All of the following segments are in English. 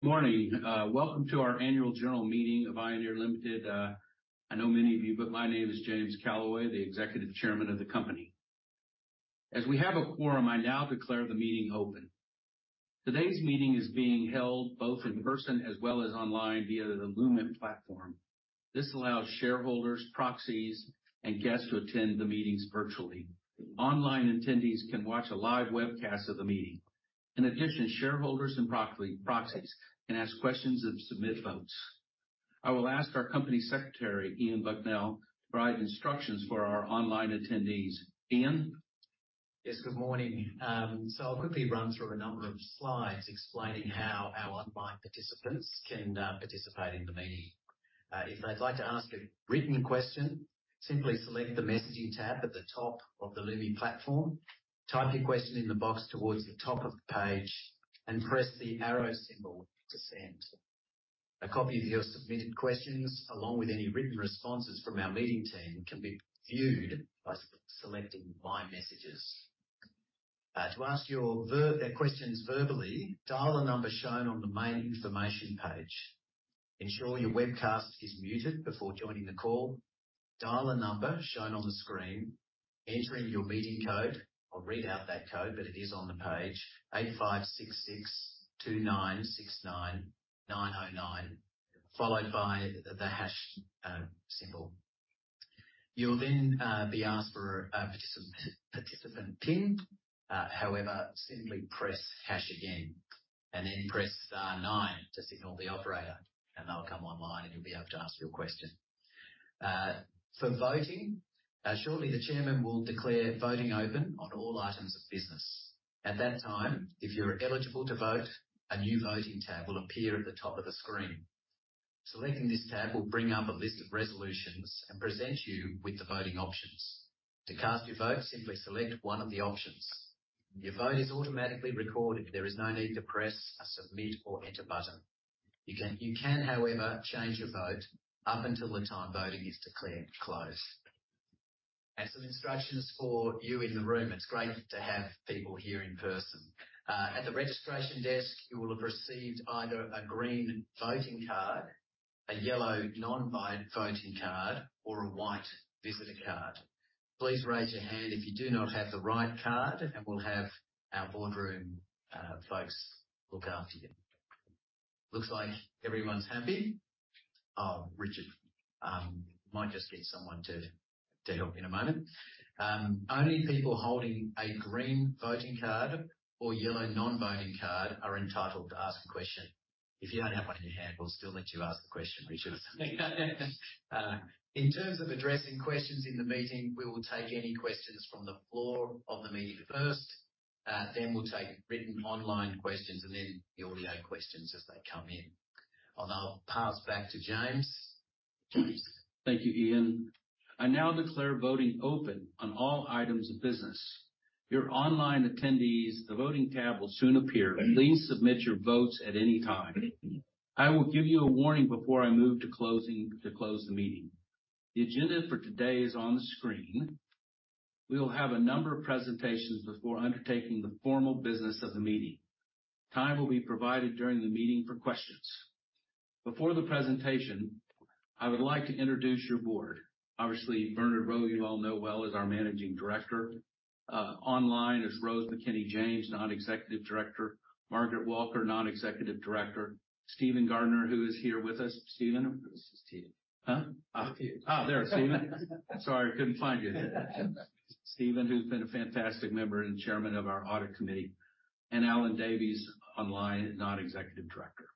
Good morning, welcome to our annual general meeting of ioneer Limited. I know many of you, but my name is James Calaway, the Executive Chairman of the company. As we have a quorum, I now declare the meeting open. Today's meeting is being held both in person as well as online via the Lumi platform. This allows shareholders, proxies, and guests to attend the meetings virtually. Online attendees can watch a live webcast of the meeting. In addition, shareholders and proxies can ask questions and submit votes. I will ask our company secretary, Ian Bucknell, to provide instructions for our online attendees. Ian? Yes, good morning. So I'll quickly run through a number of slides explaining how our online participants can participate in the meeting. If they'd like to ask a written question, simply select the Messaging tab at the top of the Lumi platform, type your question in the box towards the top of the page, and press the arrow symbol to send. A copy of your submitted questions, along with any written responses from our meeting team, can be viewed by selecting My Messages. To ask their questions verbally, dial the number shown on the main information page. Ensure your webcast is muted before joining the call. Dial the number shown on the screen. Enter in your meeting code. I'll read out that code, but it is on the page, 856-629-69909, followed by the hash symbol. You'll then be asked for a participant PIN. However, simply press hash again, and then press nine to signal the operator, and they'll come online, and you'll be able to ask your question. For voting, shortly, the chairman will declare voting open on all items of business. At that time, if you're eligible to vote, a new Voting tab will appear at the top of the screen. Selecting this tab will bring up a list of resolutions and present you with the voting options. To cast your vote, simply select one of the options. Your vote is automatically recorded. There is no need to press a Submit or Enter button. You can, however, change your vote up until the time voting is declared closed. Some instructions for you in the room. It's great to have people here in person. At the registration desk, you will have received either a green voting card, a yellow non-voting card, or a white visitor card. Please raise your hand if you do not have the right card, and we'll have our Boardroom folks look after you. Looks like everyone's happy. Oh, Richard, might just need someone to help you in a moment. Only people holding a green voting card or yellow non-voting card are entitled to ask a question. If you don't have one in your hand, we'll still let you ask the question, Richard. In terms of addressing questions in the meeting, we will take any questions from the floor of the meeting first, then we'll take written online questions, and then the audio questions as they come in. I'll now pass back to James. James. Thank you, Ian. I now declare voting open on all items of business. Your online attendees, the voting tab will soon appear. Please submit your votes at any time. I will give you a warning before I move to closing, to close the meeting. The agenda for today is on the screen. We will have a number of presentations before undertaking the formal business of the meeting. Time will be provided during the meeting for questions. Before the presentation, I would like to introduce your board. Obviously, Bernard Rowe, you all know well, is our Managing Director. Online is Rose McKinney-James, Non-executive Director. Margaret Walker, Non-executive Director. Stephen Gardiner, who is here with us. Stephen? Where is Stephen? Ah, here. Ah, there, Stephen. Sorry, I couldn't find you. Stephen, who's been a fantastic member and Chairman of our Audit Committee, and Alan Davies, online, Non-executive Director.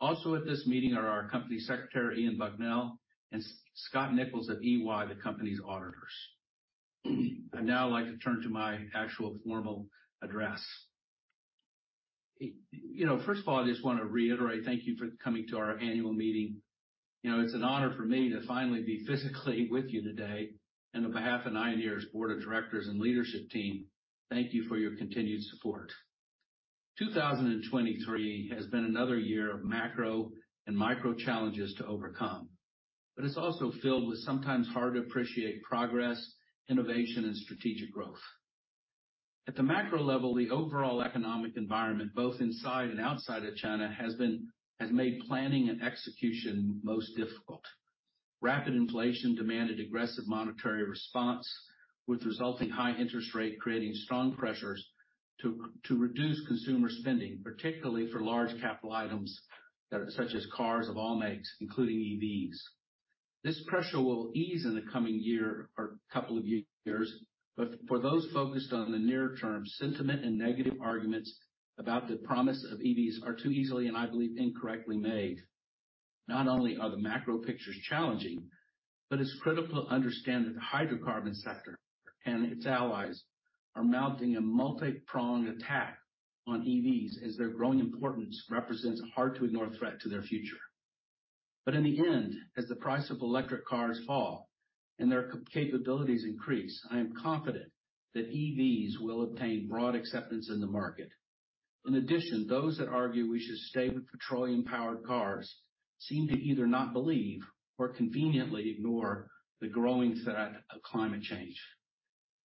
Also at this meeting are our company secretary, Ian Bucknell, and Scott Nichols of EY, the company's auditors. I'd now like to turn to my actual formal address. You know, first of all, I just want to reiterate thank you for coming to our annual meeting. You know, it's an honor for me to finally be physically with you today, and on behalf of ioneer's board of directors and leadership team, thank you for your continued support. 2023 has been another year of macro and micro challenges to overcome, but it's also filled with sometimes hard to appreciate progress, innovation, and strategic growth. At the macro level, the overall economic environment, both inside and outside of China, has made planning and execution most difficult. Rapid inflation demanded aggressive monetary response, with resulting high interest rate, creating strong pressures to reduce consumer spending, particularly for large capital items, such as cars of all makes, including EVs. This pressure will ease in the coming year or couple of years, but for those focused on the near term, sentiment and negative arguments about the promise of EVs are too easily, and I believe, incorrectly made. Not only are the macro pictures challenging, but it's critical to understand that the hydrocarbon sector and its allies are mounting a multi-pronged attack on EVs, as their growing importance represents a hard-to-ignore threat to their future. But in the end, as the price of electric cars fall and their capabilities increase, I am confident that EVs will obtain broad acceptance in the market. In addition, those that argue we should stay with petroleum-powered cars seem to either not believe or conveniently ignore the growing threat of climate change....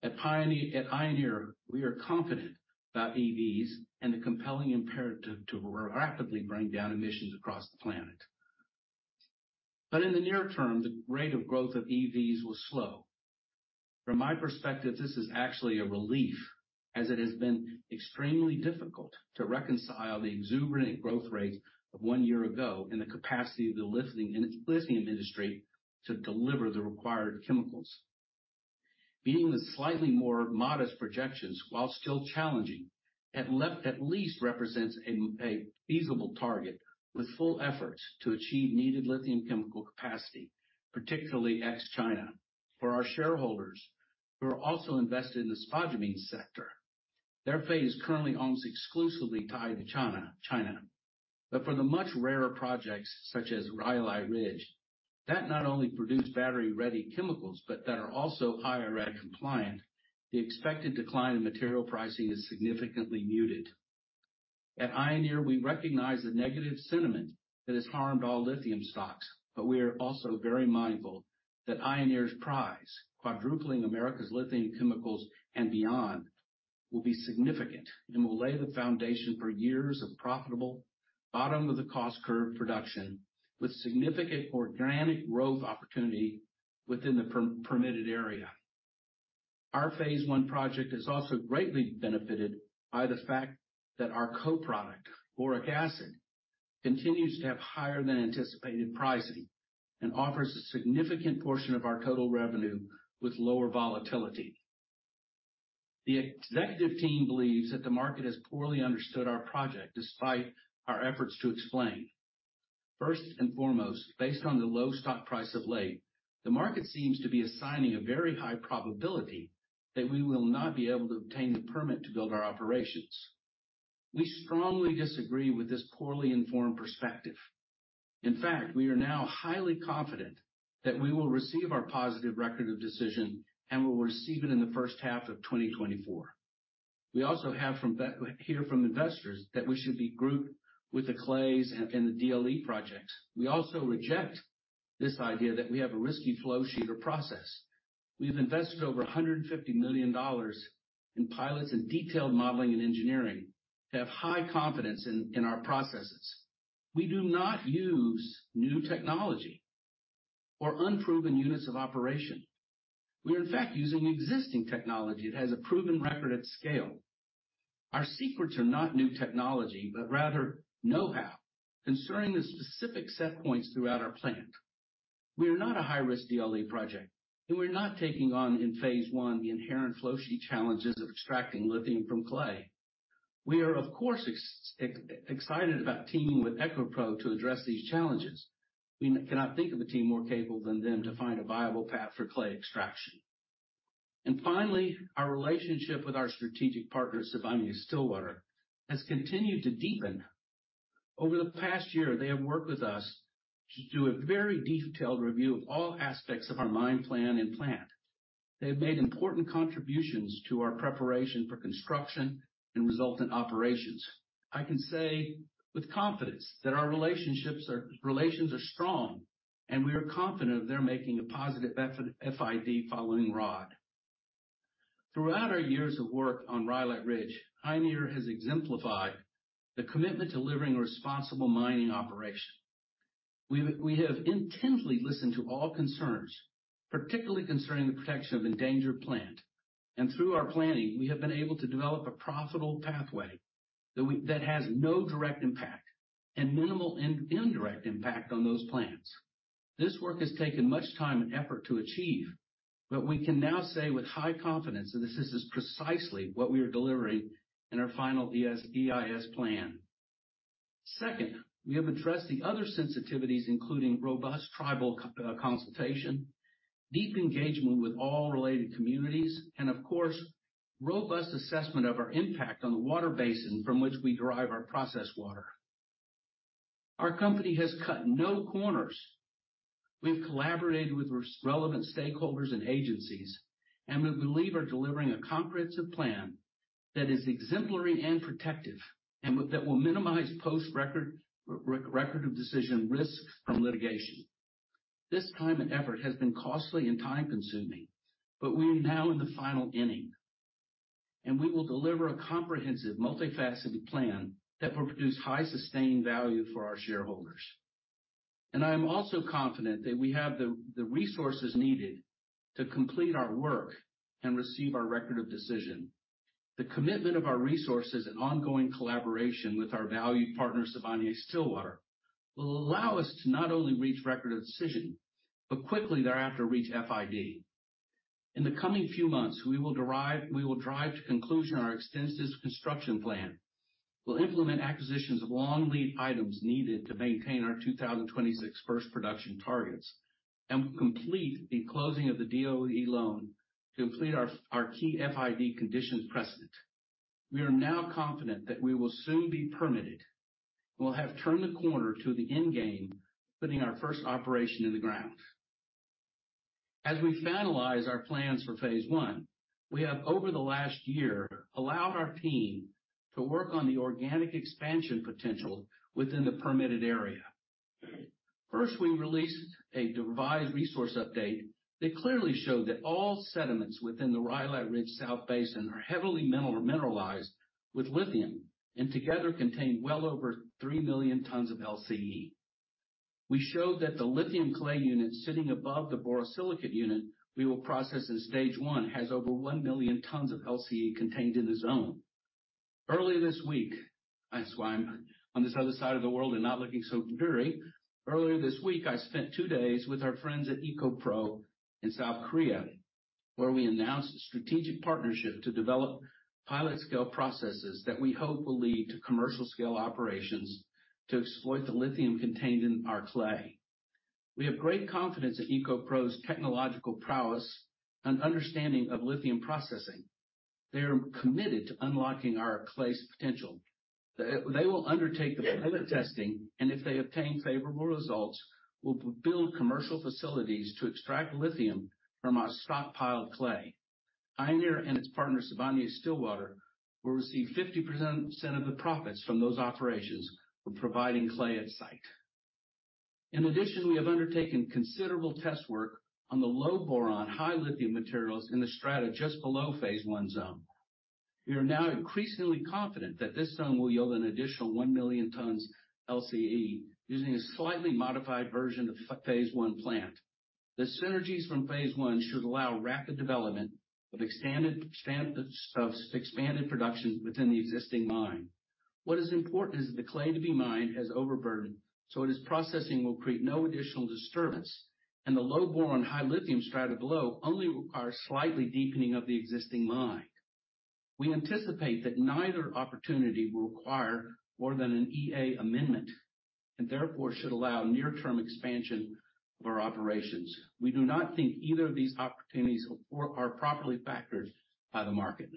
At ioneer, we are confident about EVs and the compelling imperative to rapidly bring down emissions across the planet. But in the near term, the rate of growth of EVs will slow. From my perspective, this is actually a relief, as it has been extremely difficult to reconcile the exuberant growth rates of one year ago and the capacity of the lithium and its lithium industry to deliver the required chemicals. Meeting the slightly more modest projections, while still challenging, at least represents a feasible target with full efforts to achieve needed lithium chemical capacity, particularly ex-China. Fo r our shareholders who are also invested in the spodumene sector, their fate is currently almost exclusively tied to China, China. But for the much rarer projects, such as Rhyolite Ridge, that not only produce battery-ready chemicals but that are also higher IRA compliant, the expected decline in material pricing is significantly muted. At ioneer, we recognize the negative sentiment that has harmed all lithium stocks, but we are also very mindful that ioneer's prize, quadrupling America's lithium chemicals and beyond, will be significant and will lay the foundation for years of profitable bottom-of-the-cost curve production with significant organic growth opportunity within the pre-permitted area. Our phase I project has also greatly benefited by the fact that our co-product, boric acid, continues to have higher than anticipated pricing and offers a significant portion of our total revenue with lower volatility. The executive team believes that the market has poorly understood our project despite our efforts to explain. First and foremost, based on the low stock price of late, the market seems to be assigning a very high probability that we will not be able to obtain the permit to build our operations. We strongly disagree with this poorly informed perspective. In fact, we are now highly confident that we will receive our positive Record of Decision and will receive it in the first half of 2024. We also hear from investors that we should be grouped with the clays and the DLE projects. We also reject this idea that we have a risky flow sheet or process. We've invested over $150 million in pilots and detailed modeling and engineering to have high confidence in our processes. We do not use new technology or unproven units of operation. We are, in fact, using existing technology that has a proven record at scale. Our secrets are not new technology, but rather know-how concerning the specific set points throughout our plant. We are not a high-risk DLE project, and we're not taking on, in phase I, the inherent flow sheet challenges of extracting lithium from clay. We are, of course, excited about teaming with EcoPro to address these challenges. We cannot think of a team more capable than them to find a viable path for clay extraction. And finally, our relationship with our strategic partner, Sibanye-Stillwater, has continued to deepen. Over the past year, they have worked with us to do a very detailed review of all aspects of our mine plan and plant. They have made important contributions to our preparation for construction and resultant operations. I can say with confidence that our relations are strong, and we are confident they're making a positive effort FID following ROD. Throughout our years of work on Rhyolite Ridge, ioneer has exemplified the commitment to delivering a responsible mining operation. We have intently listened to all concerns, particularly concerning the protection of endangered plant, and through our planning, we have been able to develop a profitable pathway that has no direct impact and minimal indirect impact on those plants. This work has taken much time and effort to achieve, but we can now say with high confidence that this is precisely what we are delivering in our final EIS plan. Second, we have addressed the other sensitivities, including robust tribal consultation, deep engagement with all related communities, and of course, robust assessment of our impact on the water basin from which we derive our process water. Our company has cut no corners. We've collaborated with relevant stakeholders and agencies, and we believe are delivering a comprehensive plan that is exemplary and protective and that will minimize post-Record of Decision risk from litigation. This time and effort has been costly and time-consuming, but we are now in the final inning, and we will deliver a comprehensive, multifaceted plan that will produce high sustained value for our shareholders. I am also confident that we have the resources needed to complete our work and receive our Record of Decision. The commitment of our resources and ongoing collaboration with our valued partner, Sibanye-Stillwater, will allow us to not only reach Record of Decision, but quickly thereafter, reach FID. In the coming few months, we will drive to conclusion our extensive construction plan. We'll implement acquisitions of long lead items needed to maintain our 2026 first production targets and complete the closing of the DOE loan to complete our key FID conditions precedent. We are now confident that we will soon be permitted. We'll have turned the corner to the endgame, putting our first operation in the ground. As we finalize our plans for phase I, we have over the last year, allowed our team to work on the organic expansion potential within the permitted area.... First, we released a revised resource update that clearly showed that all sediments within the Rhyolite Ridge South Basin are heavily mineral, mineralized with lithium, and together contain well over 3 million tons of LCE. We showed that the lithium clay unit sitting above the borosilicate unit we will process in stage one, has over 1 million tons of LCE contained in the zone. Earlier this week... That's why I'm on this other side of the world and not looking so dreary. Earlier this week, I spent two days with our friends at EcoPro in South Korea, where we announced a strategic partnership to develop pilot scale processes that we hope will lead to commercial scale operations to exploit the lithium contained in our clay. We have great confidence in EcoPro's technological prowess and understanding of lithium processing. They are committed to unlocking our clay's potential. They will undertake the pilot testing, and if they obtain favorable results, we'll build commercial facilities to extract lithium from our stockpiled clay. ioneer and its partner, Sibanye-Stillwater, will receive 50% of the profits from those operations for providing clay at site. In addition, we have undertaken considerable test work on the low boron, high lithium materials in the strata just below phase I zone. We are now increasingly confident that this zone will yield an additional 1 million tons LCE, using a slightly modified version of phase I plant. The synergies from phase I should allow rapid development of expanded production within the existing mine. What is important is that the clay to be mined has overburden, so its processing will create no additional disturbance, and the low boron, high lithium strata below only requires slightly deepening of the existing mine. We anticipate that neither opportunity will require more than an EA amendment, and therefore should allow near-term expansion of our operations. We do not think either of these opportunities are properly factored by the market.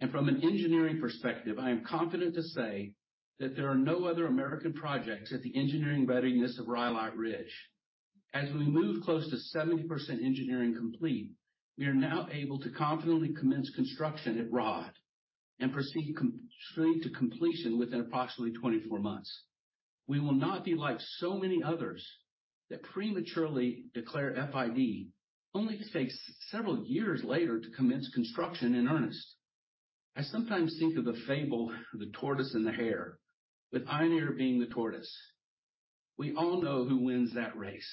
And from an engineering perspective, I am confident to say that there are no other American projects at the engineering readiness of Rhyolite Ridge. As we move close to 70% engineering complete, we are now able to confidently commence construction at ROD and proceed straight to completion within approximately 24 months. We will not be like so many others that prematurely declare FID, only to take several years later to commence construction in earnest. I sometimes think of the fable, The Tortoise and the Hare, with ioneer being the tortoise. We all know who wins that race.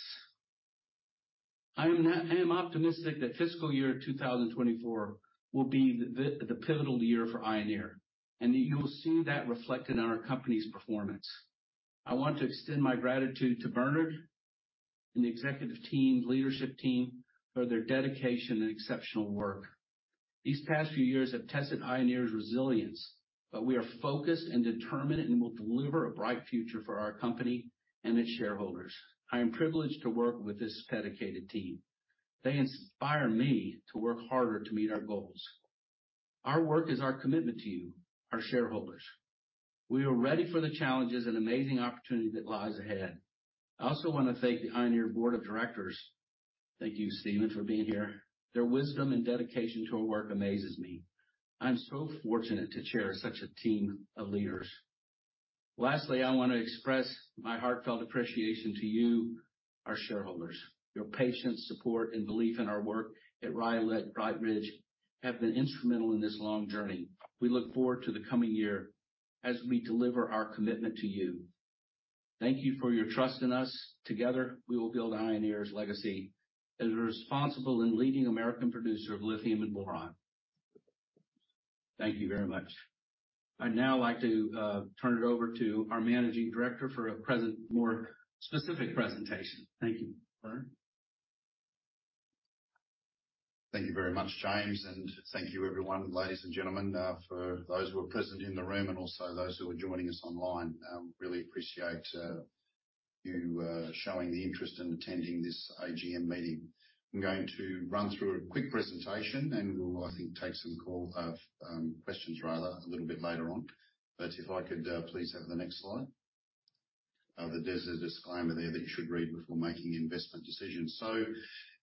I am optimistic that fiscal year 2024 will be the pivotal year for ioneer, and you will see that reflected in our company's performance. I want to extend my gratitude to Bernard and the executive team, leadership team for their dedication and exceptional work. These past few years have tested ioneer's resilience, but we are focused and determined and will deliver a bright future for our company and its shareholders. I am privileged to work with this dedicated team. They inspire me to work harder to meet our goals. Our work is our commitment to you, our shareholders. We are ready for the challenges and amazing opportunity that lies ahead. I also want to thank the ioneer Board of Directors. Thank you, Stephen, for being here. Their wisdom and dedication to our work amazes me. I'm so fortunate to chair such a team of leaders. Lastly, I want to express my heartfelt appreciation to you, our shareholders. Your patience, support, and belief in our work at Rhyolite Ridge have been instrumental in this long journey. We look forward to the coming year as we deliver our commitment to you. Thank you for your trust in us. Together, we will build on ioneer's legacy as a responsible and leading American producer of lithium and boron. Thank you very much. I'd now like to turn it over to our managing director for a more specific presentation. Thank you. Bernard? Thank you very much, James, and thank you everyone, ladies and gentlemen, for those who are present in the room and also those who are joining us online. Really appreciate you showing the interest in attending this AGM meeting. I'm going to run through a quick presentation, and we'll, I think, take some call questions rather, a little bit later on. But if I could, please have the next slide. There's a disclaimer there that you should read before making investment decisions. So,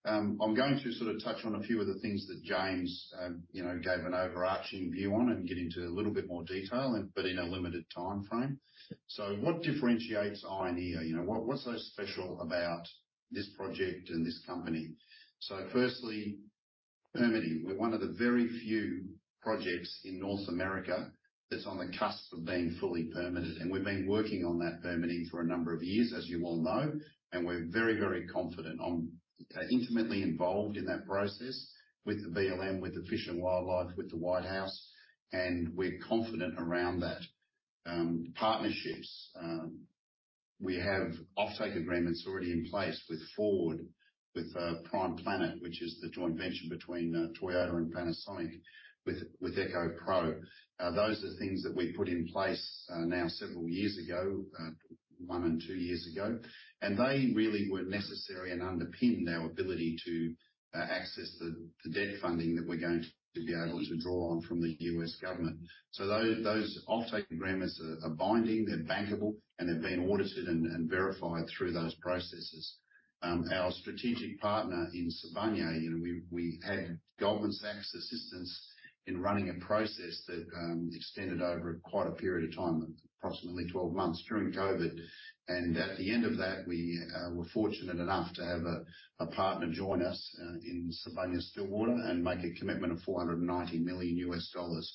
I'm going to sort of touch on a few of the things that James, you know, gave an overarching view on and get into a little bit more detail, but in a limited timeframe. So what differentiates ioneer? You know, what, what's so special about this project and this company? So firstly, permitting. We're one of the very few projects in North America that's on the cusp of being fully permitted, and we've been working on that permitting for a number of years, as you all know, and we're very, very confident. I'm intimately involved in that process with the BLM, with the Fish and Wildlife, with the White House, and we're confident around that. Partnerships, we have offtake agreements already in place with Ford, with Prime Planet, which is the joint venture between Toyota and Panasonic, with EcoPro. Those are things that we put in place now several years ago, 1 and 2 years ago, and they really were necessary and underpinned our ability to access the debt funding that we're going to be able to draw on from the U.S. government. So those offtake agreements are binding, they're bankable, and they've been audited and verified through those processes. Our strategic partner in Sibanye-Stillwater, you know, we had Goldman Sachs assistance in running a process that extended over quite a period of time, approximately 12 months during COVID. And at the end of that, we were fortunate enough to have a partner join us in Sibanye-Stillwater and make a commitment of $490 million to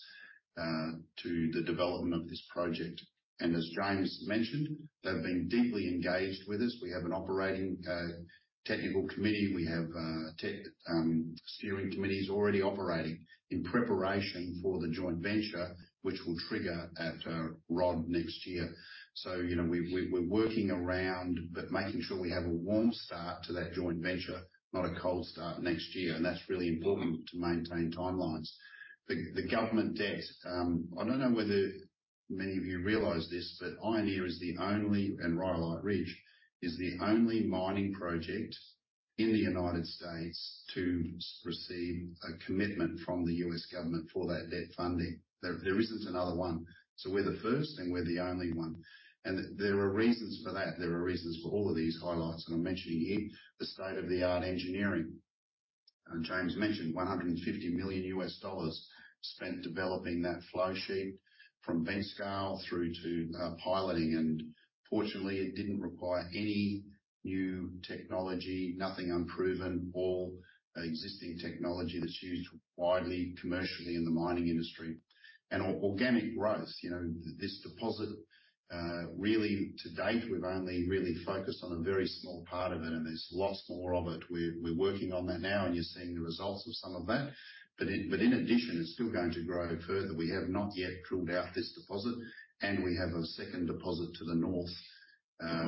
the development of this project. And as James mentioned, they've been deeply engaged with us. We have an operating technical committee. We have tech steering committees already operating in preparation for the joint venture, which will trigger at ROD next year. So, you know, we're working around, but making sure we have a warm start to that joint venture, not a cold start next year, and that's really important to maintain timelines. The government debt, I don't know whether many of you realize this, but ioneer is the only, and Rhyolite Ridge, is the only mining project in the United States to receive a commitment from the U.S. government for that debt funding. There isn't another one. So we're the first, and we're the only one, and there are reasons for that. There are reasons for all of these highlights, and I'm mentioning here the state-of-the-art engineering. James mentioned $150 million spent developing that flow sheet from bench scale through to piloting, and fortunately, it didn't require any new technology, nothing unproven, all existing technology that's used widely commercially in the mining industry. And organic growth, you know, this deposit really to date, we've only really focused on a very small part of it, and there's lots more of it. We're working on that now, and you're seeing the results of some of that. But in addition, it's still going to grow further. We have not yet pulled out this deposit, and we have a second deposit to the north,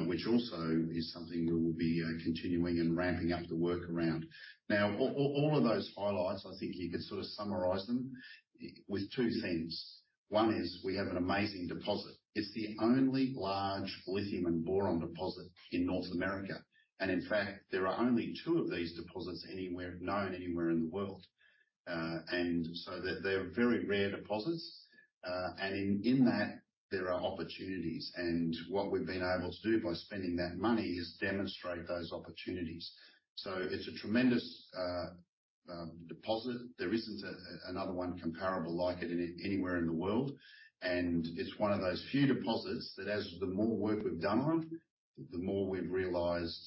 which also is something we will be continuing and ramping up the work around. Now, all of those highlights, I think you could sort of summarize them with two themes. One is, we have an amazing deposit. It's the only large lithium and boron deposit in North America, and in fact, there are only two of these deposits anywhere known anywhere in the world. And so they're, they're very rare deposits, and in, in that, there are opportunities. And what we've been able to do by spending that money is demonstrate those opportunities. So it's a tremendous deposit. There isn't a, another one comparable like it anywhere in the world, and it's one of those few deposits that as the more work we've done on it, the more we've realized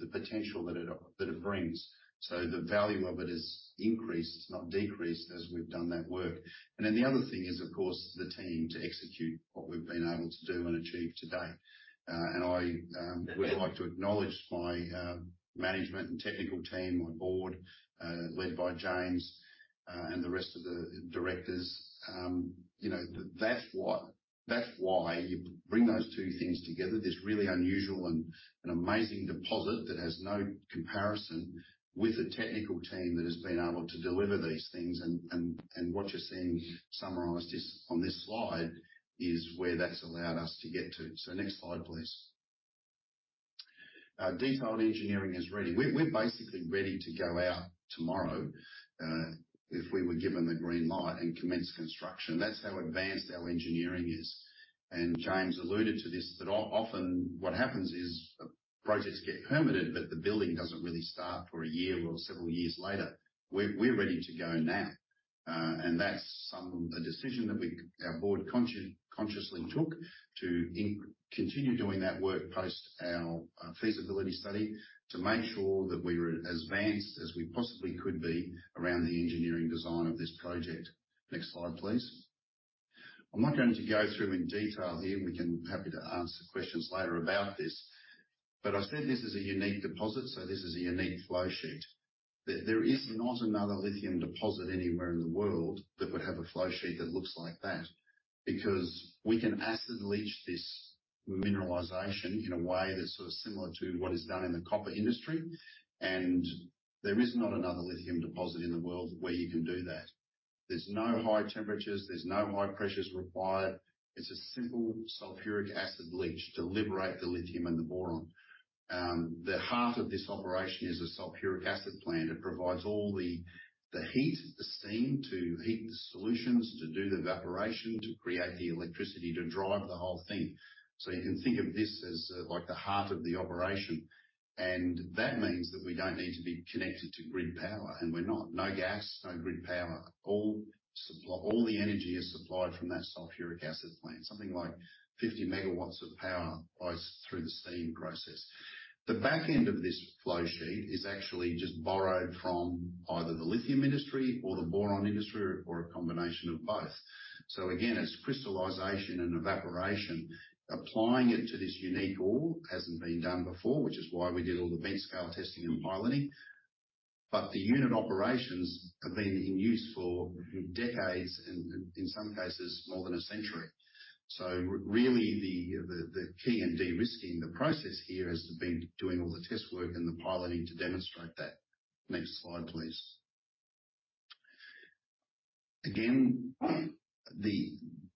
the potential that it, that it brings. So the value of it has increased, it's not decreased as we've done that work. And then the other thing is, of course, the team to execute what we've been able to do and achieve today. I would like to acknowledge my management and technical team, my board, led by James, and the rest of the directors. You know, that's why you bring those two things together, this really unusual and an amazing deposit that has no comparison with the technical team that has been able to deliver these things. And what you're seeing summarized is, on this slide, where that's allowed us to get to. Next slide, please. Detailed engineering is ready. We're basically ready to go out tomorrow, if we were given the green light and commence construction. That's how advanced our engineering is. James alluded to this, that often what happens is projects get permitted, but the building doesn't really start for a year or several years later. We're ready to go now, and that's a decision that our board consciously took to continue doing that work post our feasibility study to make sure that we were as advanced as we possibly could be around the engineering design of this project. Next slide, please. I'm not going to go through in detail here, we're happy to answer questions later about this. But I said this is a unique deposit, so this is a unique flow sheet. There is not another lithium deposit anywhere in the world that would have a flow sheet that looks like that, because we can acid leach this mineralization in a way that's sort of similar to what is done in the copper industry, and there is not another lithium deposit in the world where you can do that. There's no high temperatures, there's no high pressures required. It's a simple sulfuric acid leach to liberate the lithium and the boron. The heart of this operation is a sulfuric acid plant. It provides all the, the heat, the steam to heat the solutions, to do the evaporation, to create the electricity, to drive the whole thing. So you can think of this as, like the heart of the operation, and that means that we don't need to be connected to grid power, and we're not. No gas, no grid power. All the energy is supplied from that sulfuric acid plant, something like 50 MW of power goes through the steam process. The back end of this flow sheet is actually just borrowed from either the lithium industry or the boron industry, or a combination of both. So again, it's crystallization and evaporation. Applying it to this unique ore hasn't been done before, which is why we did all the bench scale testing and piloting, but the unit operations have been in use for decades, and in some cases, more than a century. So really, the key in de-risking the process here has been doing all the test work and the piloting to demonstrate that. Next slide, please. Again,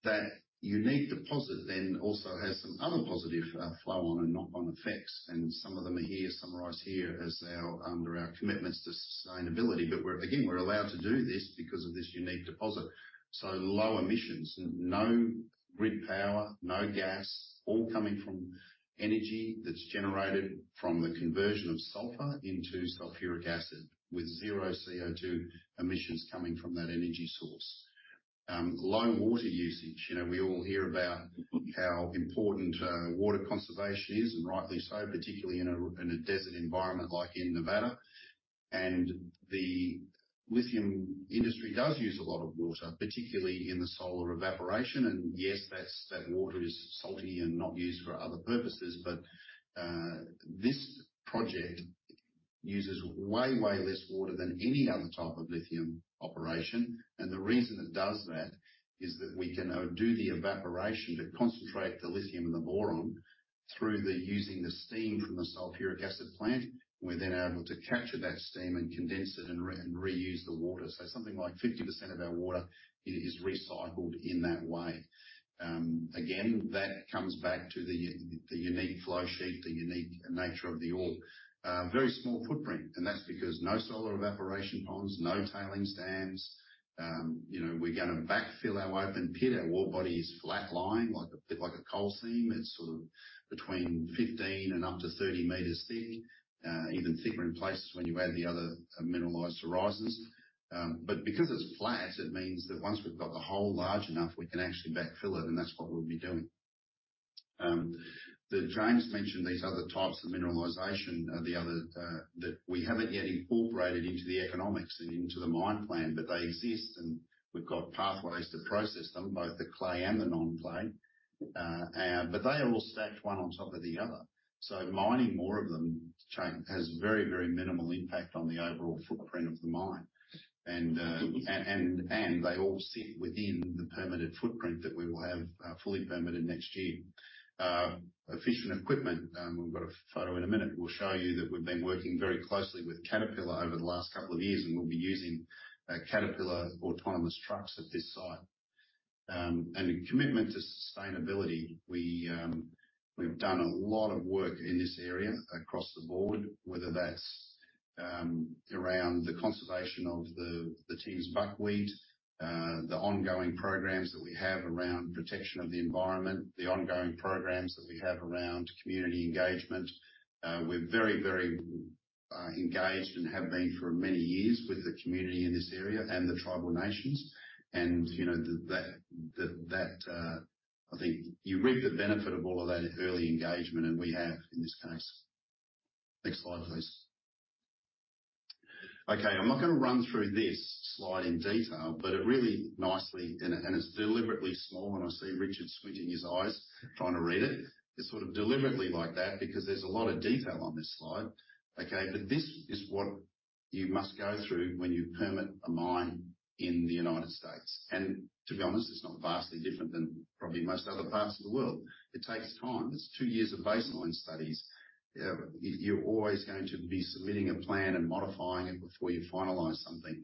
that unique deposit then also has some other positive flow on and knock on effects, and some of them are here, summarized here as our under our commitments to sustainability. But we're again, we're allowed to do this because of this unique deposit. So low emissions, no grid power, no gas.... all coming from energy that's generated from the conversion of sulfur into sulfuric acid, with zero CO2 emissions coming from that energy source. Low water usage, you know, we all hear about how important water conservation is, and rightly so, particularly in a desert environment like in Nevada. And the lithium industry does use a lot of water, particularly in the solar evaporation, and yes, that's that water is salty and not used for other purposes, but this project uses way, way less water than any other type of lithium operation. And the reason it does that is that we can do the evaporation to concentrate the lithium and the boron through using the steam from the sulfuric acid plant. We're then able to capture that steam and condense it, and reuse the water. So something like 50% of our water is recycled in that way. Again, that comes back to the unique flow sheet, the unique nature of the ore. Very small footprint, and that's because no solar evaporation ponds, no tailing stands. You know, we're gonna backfill our open pit. Our ore body is flat line, like a bit like a coal seam. It's sort of between 15 and up to 30 meters thick, even thicker in places when you add the other mineralized horizons. But because it's flat, it means that once we've got the hole large enough, we can actually backfill it, and that's what we'll be doing. James mentioned these other types of mineralization that we haven't yet incorporated into the economics and into the mine plan, but they exist, and we've got pathways to process them, both the clay and the non-clay. But they are all stacked one on top of the other. So mining more of them has very, very minimal impact on the overall footprint of the mine. And they all sit within the permitted footprint that we will have fully permitted next year. Efficient equipment, we've got a photo in a minute, we'll show you that we've been working very closely with Caterpillar over the last couple of years, and we'll be using Caterpillar autonomous trucks at this site. And a commitment to sustainability. We've done a lot of work in this area across the board, whether that's around the conservation of the Tiehm's buckwheat, the ongoing programs that we have around protection of the environment, the ongoing programs that we have around community engagement. We're very, very engaged and have been for many years with the community in this area and the tribal nations, and, you know, I think you reap the benefit of all of that early engagement, and we have in this case. Next slide, please. Okay, I'm not gonna run through this slide in detail, but it really nicely and it's deliberately small, and I see Richard squinting his eyes, trying to read it. It's sort of deliberately like that, because there's a lot of detail on this slide. Okay? But this is what you must go through when you permit a mine in the United States. To be honest, it's not vastly different than probably most other parts of the world. It takes time. It's two years of baseline studies. You're always going to be submitting a plan and modifying it before you finalize something.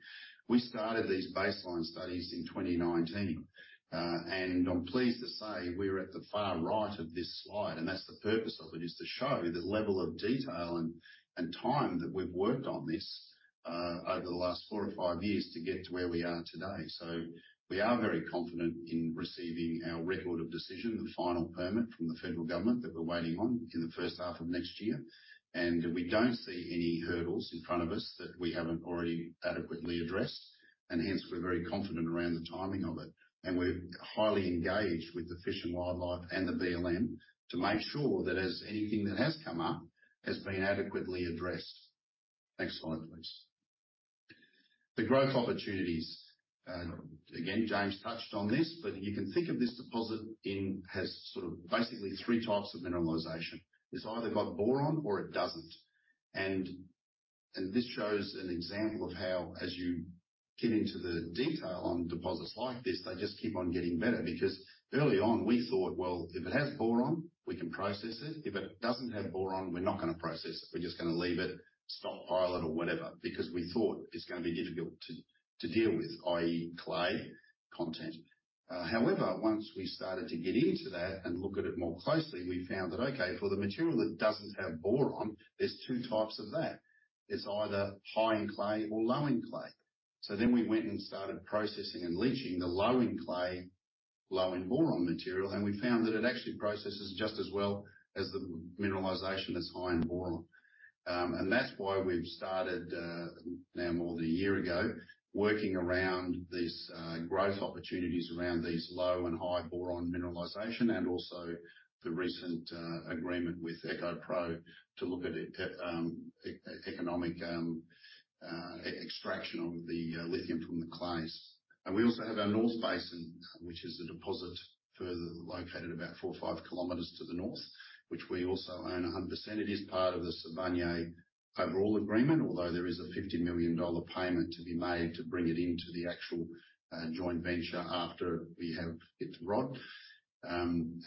We started these baseline studies in 2019, and I'm pleased to say we're at the far right of this slide, and that's the purpose of it, is to show the level of detail and time that we've worked on this over the last four or five years to get to where we are today. So we are very confident in receiving our Record of Decision, the final permit from the federal government that we're waiting on in the first half of next year. We don't see any hurdles in front of us that we haven't already adequately addressed, and hence, we're very confident around the timing of it. And we're highly engaged with the Fish and Wildlife and the BLM to make sure that as anything that has come up has been adequately addressed. Next slide, please. The growth opportunities. Again, James touched on this, but you can think of this deposit has sort of basically three types of mineralization. It's either got boron or it doesn't. And this shows an example of how, as you get into the detail on deposits like this, they just keep on getting better. Because early on, we thought, well, if it has boron, we can process it. If it doesn't have boron, we're not gonna process it. We're just gonna leave it, stockpile it, or whatever, because we thought it's gonna be difficult to deal with, i.e., clay content. However, once we started to get into that and look at it more closely, we found that, okay, for the material that doesn't have boron, there's two types of that. It's either high in clay or low in clay. So then we went and started processing and leaching the low in clay, low in boron material, and we found that it actually processes just as well as the mineralization that's high in boron. And that's why we've started, now, more than a year ago, working around these, growth opportunities, around these low and high boron mineralization, and also the recent, agreement with EcoPro to look at it, economic, extraction of the, lithium from the clays. We also have our North Basin, which is a deposit further located about 4 km or 5 km to the north, which we also own 100%. It is part of the Sibanye overall agreement, although there is a $50 million payment to be made to bring it into the actual joint venture after we have get to ROD. And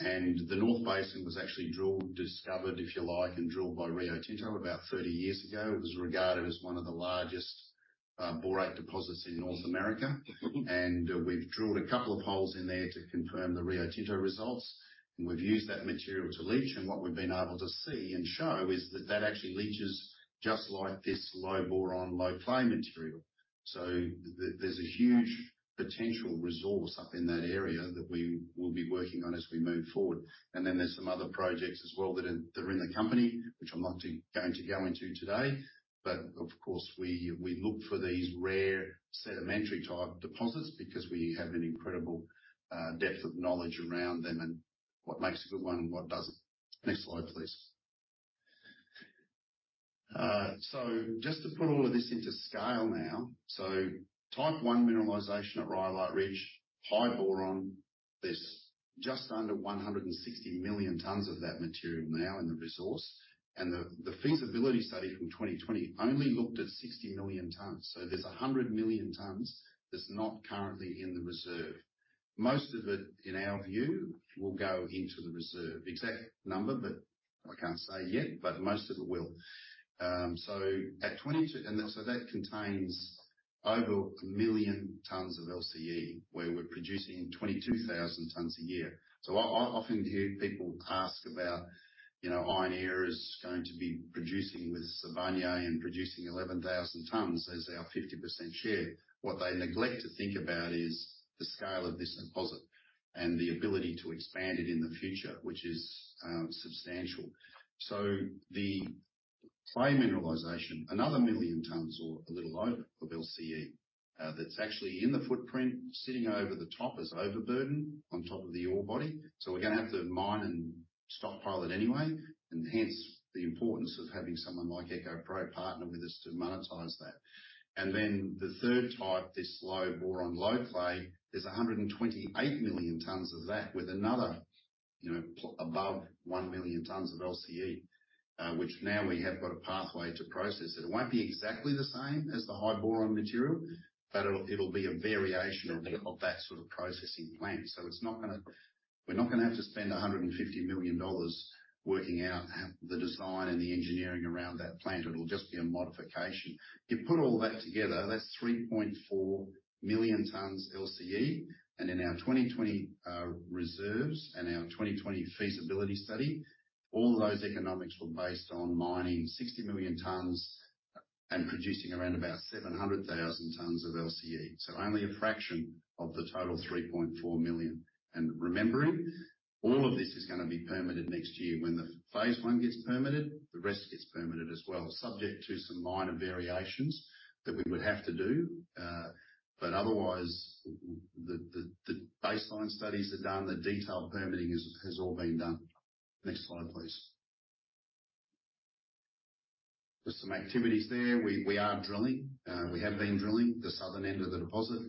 the North Basin was actually drilled, discovered, if you like, and drilled by Rio Tinto about 30 years ago. It was regarded as one of the largest borate deposits in North America, and we've drilled a couple of holes in there to confirm the Rio Tinto results. And we've used that material to leach, and what we've been able to see and show is that, that actually leaches just like this low boron, low clay material... So there's a huge potential resource up in that area that we will be working on as we move forward. And then there's some other projects as well that are, that are in the company, which I'm not going to go into today. But of course, we, we look for these rare sedimentary-type deposits because we have an incredible depth of knowledge around them and what makes a good one and what doesn't. Next slide, please. So just to put all of this into scale now. So Type 1 mineralization at Rhyolite Ridge, high boron, there's just under 160 million tons of that material now in the resource, and the feasibility study from 2020 only looked at 60 million tons. So there's 100 million tons that's not currently in the reserve. Most of it, in our view, will go into the reserve. Exact number, but I can't say yet, but most of it will. So at 2022, and so that contains over 1 million tons of LCE, where we're producing 22,000 tons a year. So I often hear people ask about, you know, ioneer is going to be producing with Sibanye and producing 11,000 tons, that's our 50% share. What they neglect to think about is the scale of this deposit and the ability to expand it in the future, which is substantial. So the clay mineralization, another 1 million tons or a little over of LCE, that's actually in the footprint, sitting over the top as overburden on top of the ore body. So we're gonna have to mine and stockpile it anyway, and hence, the importance of having someone like EcoPro partner with us to monetize that. And then the third type, this low boron, low clay, there's 128 million tons of that with another, you know, above 1 million tons of LCE, which now we have got a pathway to process it. It won't be exactly the same as the high boron material, but it'll, it'll be a variation of that sort of processing plant. So it's not gonna. We're not gonna have to spend $150 million working out how the design and the engineering around that plant. It will just be a modification. You put all that together, that's 3.4 million tons LCE, and in our 2020, reserves and our 2020 feasibility study, all those economics were based on mining 60 million tons and producing around about 700,000 tons of LCE. So only a fraction of the total 3.4 million. And remembering, all of this is gonna be permitted next year. When the phase I gets permitted, the rest gets permitted as well, subject to some minor variations that we would have to do. But otherwise, the baseline studies are done, the detailed permitting has all been done. Next slide, please. Just some activities there. We are drilling. We have been drilling the southern end of the deposit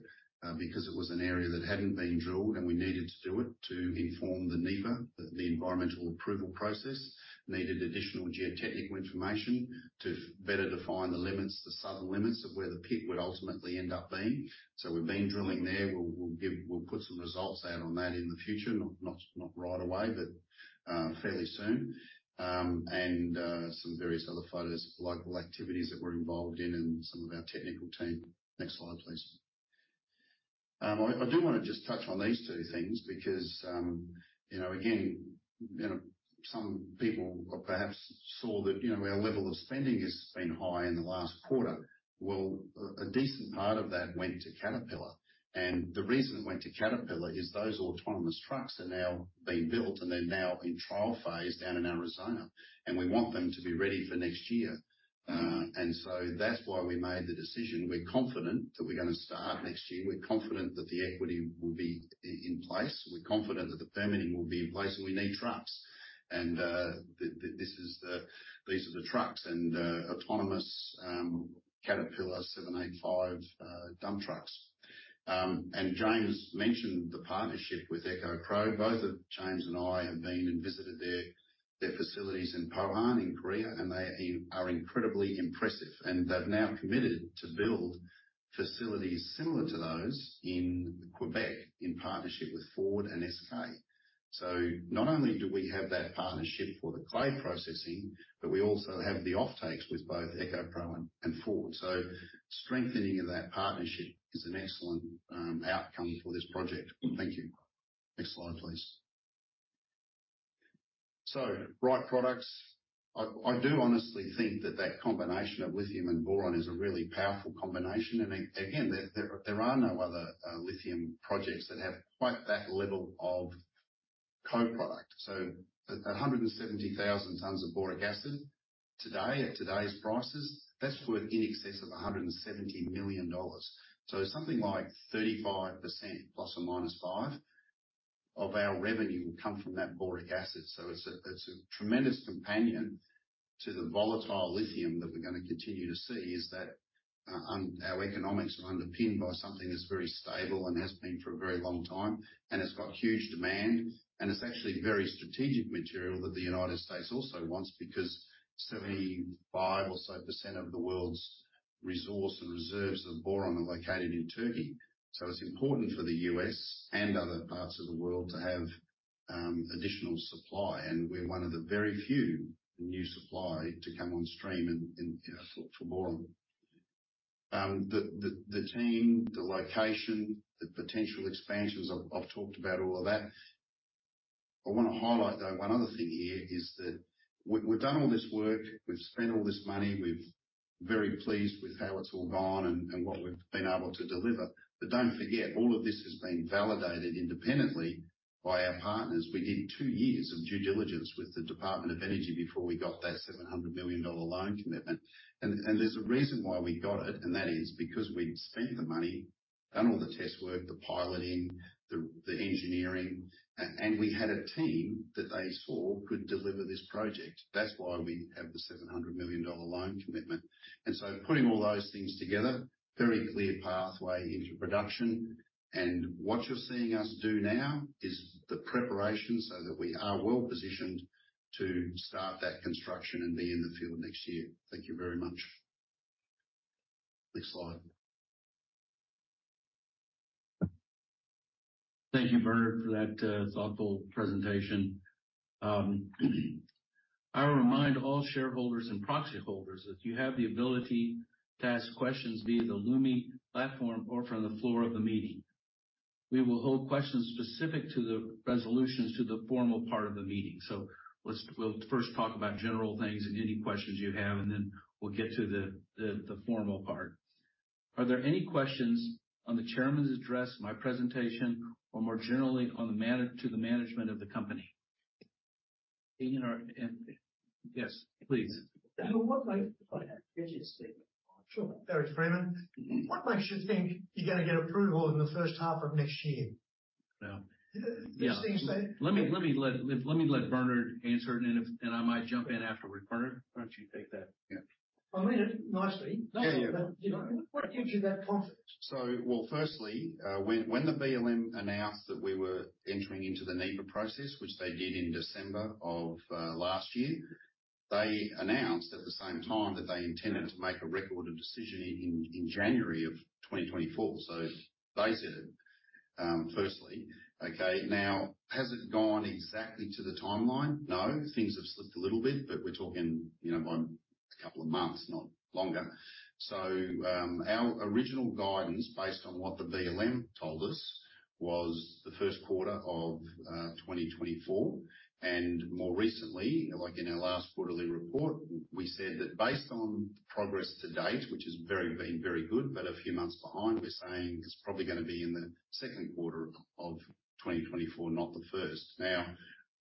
because it was an area that hadn't been drilled, and we needed to do it to inform the NEPA, the environmental approval process, needed additional geotechnical information to better define the limits, the southern limits of where the pit would ultimately end up being. So we've been drilling there. We'll put some results out on that in the future. Not right away, but fairly soon. And some various other photos, local activities that we're involved in and some of our technical team. Next slide, please. I do wanna just touch on these two things because, you know, again, you know, some people perhaps saw that, you know, our level of spending has been high in the last quarter. Well, a decent part of that went to Caterpillar, and the reason it went to Caterpillar is those autonomous trucks are now being built, and they're now in trial phase down in Arizona, and we want them to be ready for next year. And so that's why we made the decision. We're confident that we're gonna start next year. We're confident that the equity will be in place. We're confident that the permitting will be in place, and we need trucks. And this is the—these are the trucks and autonomous Caterpillar 785 dump trucks. And James mentioned the partnership with EcoPro. Both of James and I have been and visited their facilities in Pohang, in Korea, and they are incredibly impressive, and they've now committed to build facilities similar to those in Quebec, in partnership with Ford and SK. So not only do we have that partnership for the clay processing, but we also have the offtakes with both EcoPro and Ford. So strengthening of that partnership is an excellent outcome for this project. Thank you. Next slide, please. So right products. I do honestly think that that combination of lithium and boron is a really powerful combination, and again, there are no other lithium projects that have quite that level of co-product. So 170,000 tons of boric acid today, at today's prices, that's worth in excess of $170 million. So something like 35% ±5 of our revenue will come from that boric acid. So it's a tremendous companion to the volatile lithium that we're gonna continue to see, is that our economics are underpinned by something that's very stable and has been for a very long time, and it's got huge demand. And it's actually very strategic material that the United States also wants, because 75% or so of the world's resource and reserves of boron are located in Turkey. So it's important for the U.S. and other parts of the world to have additional supply, and we're one of the very few new supply to come on stream in, you know, for boron. The team, the location, the potential expansions, I've talked about all of that. I want to highlight, though, one other thing here is that we, we've done all this work, we've spent all this money, we're very pleased with how it's all gone and what we've been able to deliver. But don't forget, all of this has been validated independently by our partners. We did two years of due diligence with the Department of Energy before we got that $700 million loan commitment. And there's a reason why we got it, and that is because we'd spent the money, done all the test work, the piloting, the engineering, and we had a team that they saw could deliver this project. That's why we have the $700 million loan commitment. And so putting all those things together, very clear pathway into production. What you're seeing us do now is the preparation so that we are well positioned to start that construction and be in the field next year. Thank you very much. Next slide. Thank you, Bernard, for that thoughtful presentation. I'll remind all shareholders and proxy holders that you have the ability to ask questions via the Lumi platform or from the floor of the meeting. We will hold questions specific to the resolutions to the formal part of the meeting. So we'll first talk about general things and any questions you have, and then we'll get to the formal part. Are there any questions on the chairman's address, my presentation, or more generally, on the management of the company? And yes, please. Sure. Barry Freeman. Mm-hmm. What makes you think you're gonna get approval in the first half of next year? Well, yeah. These things say- Let me let Bernard answer it, and I might jump in afterward. Bernard, why don't you take that? Yeah. I mean it, nicely. Yeah, yeah. You know, what gives you that confidence? So, well, firstly, when the BLM announced that we were entering into the NEPA process, which they did in December of last year, they announced at the same time that they intended to make a Record of Decision in January 2024. So they said it, firstly. Okay, now, has it gone exactly to the timeline? No. Things have slipped a little bit, but we're talking, you know, by a couple of months, not longer. So, our original guidance, based on what the BLM told us, was the first quarter of 2024, and more recently, like in our last quarterly report, we said that based on progress to date, which is very good, but a few months behind, we're saying it's probably gonna be in the second quarter of 2024, not the first. Now,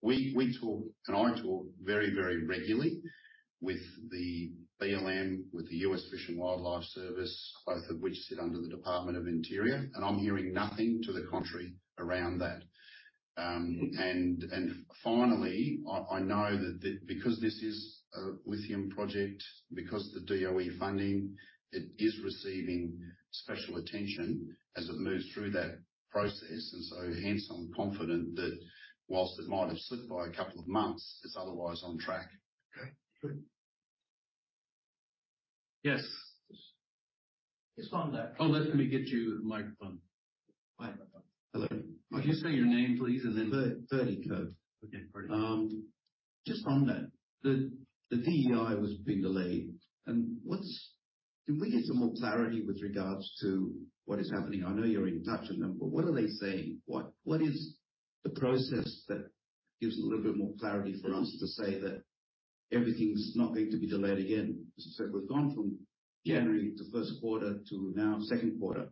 we talk, and I talk very, very regularly with the BLM, with the U.S. Fish and Wildlife Service, both of which sit under the Department of the Interior, and I'm hearing nothing to the contrary around that. And finally, I know that the, because this is a lithium project, because the DOE funding, it is receiving special attention as it moves through that process, and so hence, I'm confident that whilst it might have slipped by a couple of months, it's otherwise on track. Okay, sure. Yes? Just on that. Oh, let me get you a microphone. Hello. Can you say your name, please, and then- Bertie Cove. Okay, Bertie. Just on that, the DEI was being delayed, and what's... Can we get some more clarity with regards to what is happening? I know you're in touch with them, but what are they saying? What is the process that gives a little bit more clarity for us to say that everything's not going to be delayed again? Because we've gone from January to first quarter to now second quarter.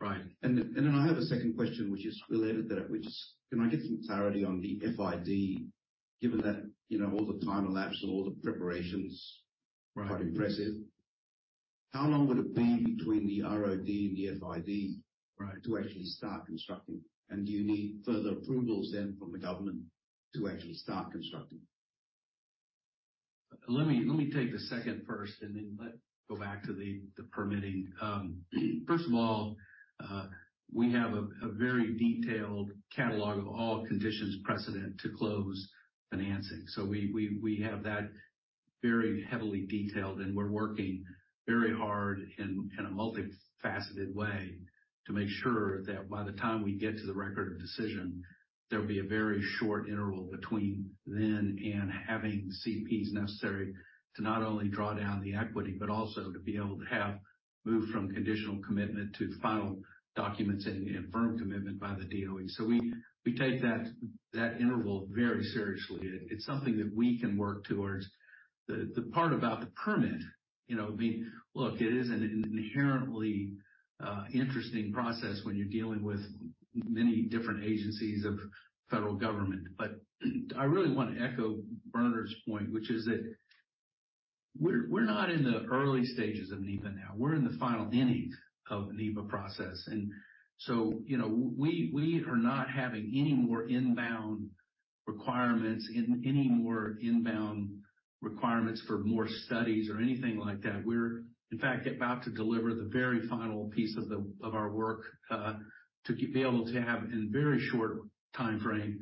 Right. Then I have a second question, which is related to that, which is, can I get some clarity on the FID, given that, you know, all the time elapsed and all the preparations- Right. are impressive, how long would it be between the ROD and the FID? Right to actually start constructing? And do you need further approvals then from the government to actually start constructing? Let me take the second first, and then let me go back to the permitting. First of all, we have a very detailed catalog of all conditions precedent to close financing. So we have that very heavily detailed, and we're working very hard in a multifaceted way to make sure that by the time we get to the Record of Decision, there'll be a very short interval between then and having CPs necessary to not only draw down the equity, but also to be able to move from conditional commitment to final documents and firm commitment by the DOE. So we take that interval very seriously. It's something that we can work towards. The part about the permit, you know, I mean, look, it is an inherently interesting process when you're dealing with many different agencies of federal government. But I really want to echo Bernard's point, which is that we're not in the early stages of NEPA now, we're in the final innings of NEPA process. And so, you know, we are not having any more inbound requirements, any more inbound requirements for more studies or anything like that. We're, in fact, about to deliver the very final piece of our work to be able to have, in very short timeframe,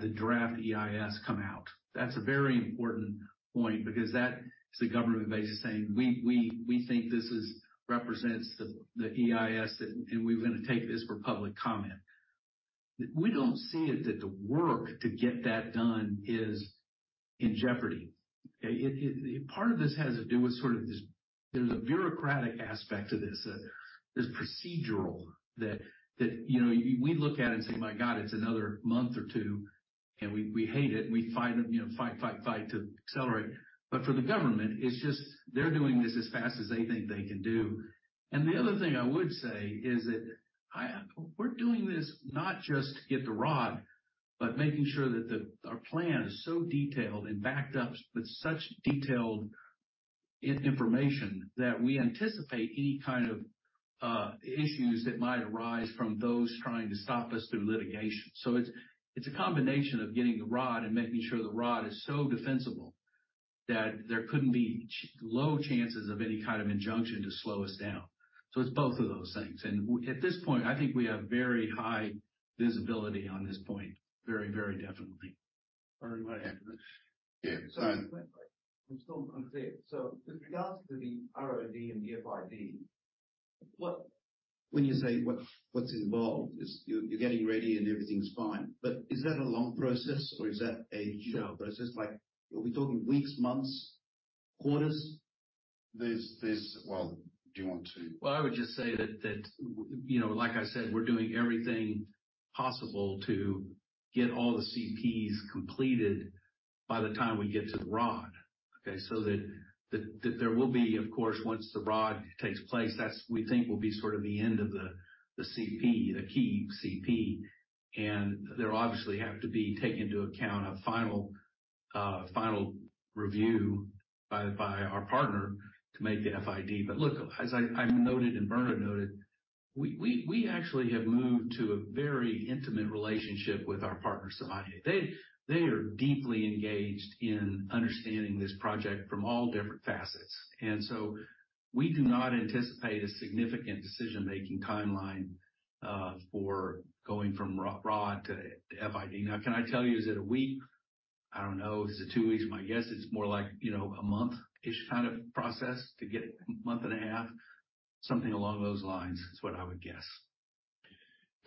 the draft EIS come out. That's a very important point because that is the government basically saying, "We think this represents the EIS, and we're gonna take this for public comment." We don't see that the work to get that done is in jeopardy. Okay, part of this has to do with sort of this. There's a bureaucratic aspect to this procedural that, you know, we look at it and say, "My God, it's another month or two," and we hate it, and we fight it, you know, fight, fight, fight to accelerate. But for the government, it's just they're doing this as fast as they think they can do. And the other thing I would say is that we're doing this not just to get the ROD, but making sure that our plan is so detailed and backed up with such detailed information that we anticipate any kind of issues that might arise from those trying to stop us through litigation. So it's, it's a combination of getting the ROD and making sure the ROD is so defensible that there couldn't be low chances of any kind of injunction to slow us down. So it's both of those things, and at this point, I think we have very high visibility on this point, very, very definitely. Bernard, you want to add to that? Yeah, so- I'm still unclear. So with regards to the ROD and the FID, when you say what's involved, you're getting ready and everything's fine, but is that a long process or is that a short process? Like, are we talking weeks, months, quarters? Well, do you want to? Well, I would just say that, you know, like I said, we're doing everything possible to get all the CPs completed by the time we get to the ROD, okay? So that there will be, of course, once the ROD takes place, that's we think will be sort of the end of the CP, the key CP. And there obviously have to be taken into account a final review by our partner to make the FID. But look, as I noted and Bernard noted, we actually have moved to a very intimate relationship with our partner, Sibanye. They are deeply engaged in understanding this project from all different facets, and so we do not anticipate a significant decision-making timeline for going from ROD to FID. Now, can I tell you, is it a week? I don't know. Is it 2 weeks? My guess it's more like, you know, a month-ish kind of process to get it, a month and a half. Something along those lines is what I would guess.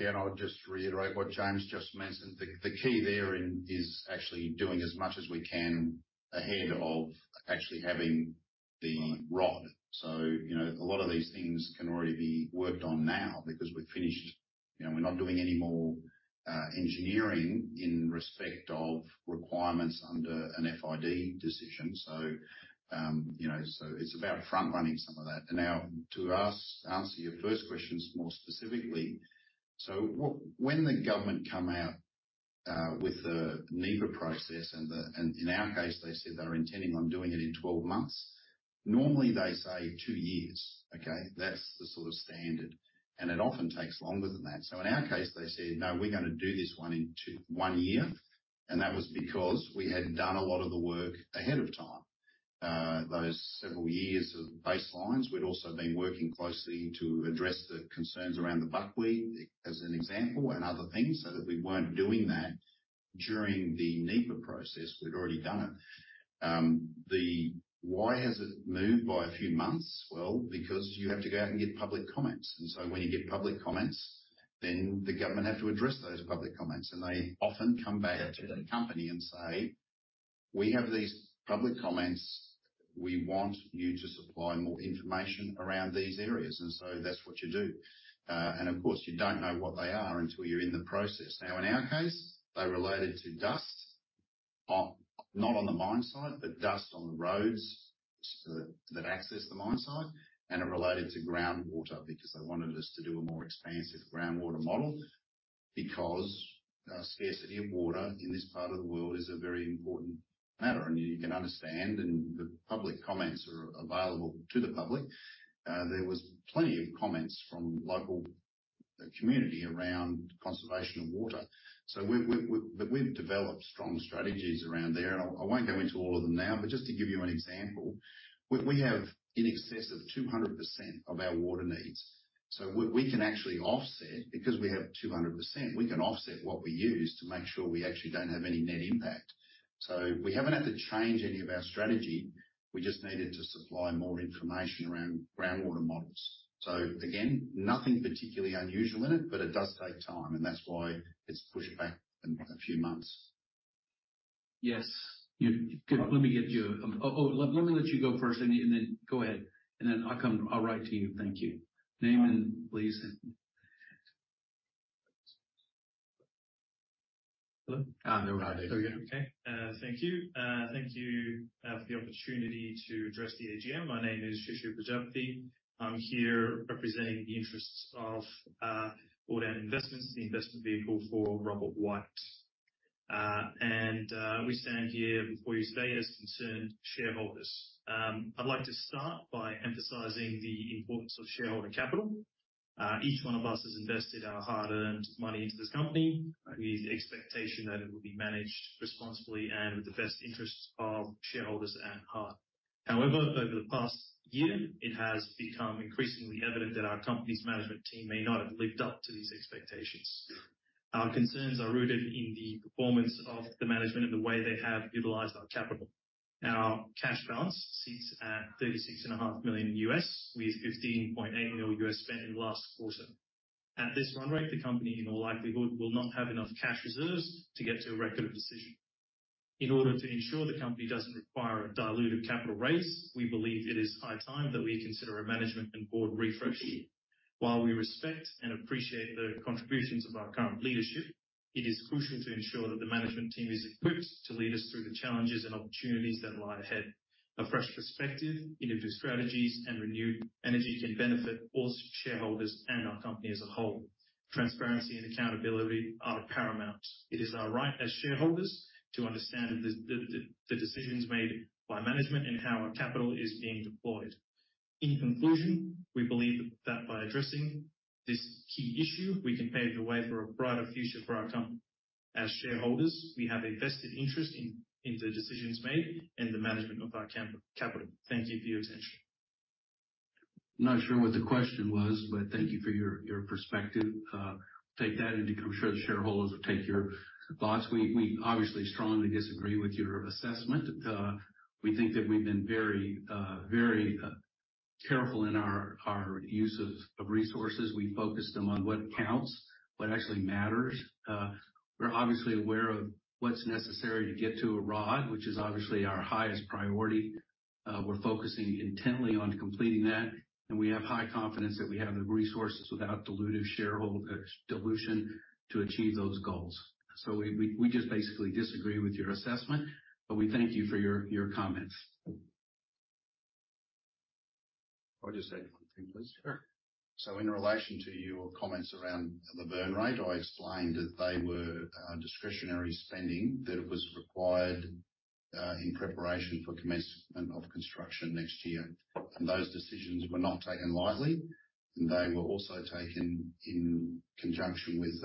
Yeah, and I'll just reiterate what James just mentioned. The key there is actually doing as much as we can ahead of actually having the ROD. So, you know, a lot of these things can already be worked on now because we've finished. You know, we're not doing any more engineering in respect of requirements under an FID decision. So, you know, so it's about front-running some of that. And now to answer your first questions more specifically. So, what - when the government come out with the NEPA process, and in our case, they said they were intending on doing it in 12 months. Normally, they say two years, okay? That's the sort of standard, and it often takes longer than that. So in our case, they said, "No, we're gonna do this one in one year." And that was because we had done a lot of the work ahead of time. Those several years of baselines, we'd also been working closely to address the concerns around the buckwheat, as an example, and other things, so that we weren't doing that during the NEPA process. We'd already done it. Why has it moved by a few months? Well, because you have to go out and get public comments, and so when you get public comments, then the government have to address those public comments, and they often come back to the company and say, "We have these public comments. We want you to supply more information around these areas." And so that's what you do. Of course, you don't know what they are until you're in the process. Now, in our case, they're related to dust on, not on the mine site, but dust on the roads that access the mine site, and are related to groundwater because they wanted us to do a more expansive groundwater model because scarcity of water in this part of the world is a very important matter. You can understand, and the public comments are available to the public. There was plenty of comments from local community around conservation of water. But we've developed strong strategies around there, and won't go into all of them now, but just to give you an example, we have in excess of 200% of our water needs. So we can actually offset, because we have 200%, we can offset what we use to make sure we actually don't have any net impact. So we haven't had to change any of our strategy. We just needed to supply more information around groundwater models. So again, nothing particularly unusual in it, but it does take time, and that's why it's pushed back a few months. Yes. Let me get you... Let me let you go first, and then go ahead, and then I'll come—I'll write to you. Thank you. Name, please? Hello? No, go ahead. Okay, thank you. Thank you for the opportunity to address the AGM. My name is [Shishu Bajpathy]. I'm here representing the interests of Bogdan Investments, the investment vehicle for [Robert Watt]. And we stand here before you today as concerned shareholders. I'd like to start by emphasizing the importance of shareholder capital. Each one of us has invested our hard-earned money into this company with the expectation that it would be managed responsibly and with the best interests of shareholders at heart. However, over the past year, it has become increasingly evident that our company's management team may not have lived up to these expectations. Our concerns are rooted in the performance of the management and the way they have utilized our capital. Now, cash balance sits at $36.5 million, with $15.8 million spent in the last quarter. At this run rate, the company, in all likelihood, will not have enough cash reserves to get to a Record of Decision. In order to ensure the company doesn't require a diluted capital raise, we believe it is high time that we consider a management and board refresh. While we respect and appreciate the contributions of our current leadership, it is crucial to ensure that the management team is equipped to lead us through the challenges and opportunities that lie ahead. A fresh perspective, innovative strategies, and renewed energy can benefit all shareholders and our company as a whole. Transparency and accountability are paramount. It is our right as shareholders to understand the decisions made by management and how our capital is being deployed. In conclusion, we believe that by addressing this key issue, we can pave the way for a brighter future for our company. As shareholders, we have a vested interest in the decisions made and the management of our capital. Thank you for your attention. I'm not sure what the question was, but thank you for your perspective. Take that, and I'm sure the shareholders will take your thoughts. We obviously strongly disagree with your assessment. We think that we've been very careful in our use of resources. We focus them on what counts, what actually matters. We're obviously aware of what's necessary to get to a ROD, which is obviously our highest priority. We're focusing intently on completing that, and we have high confidence that we have the resources without dilutive shareholder dilution to achieve those goals. So we just basically disagree with your assessment, but we thank you for your comments. I'll just add one thing, please. Sure. So in relation to your comments around the burn rate, I explained that they were discretionary spending that was required in preparation for commencement of construction next year. Those decisions were not taken lightly, and they were also taken in conjunction with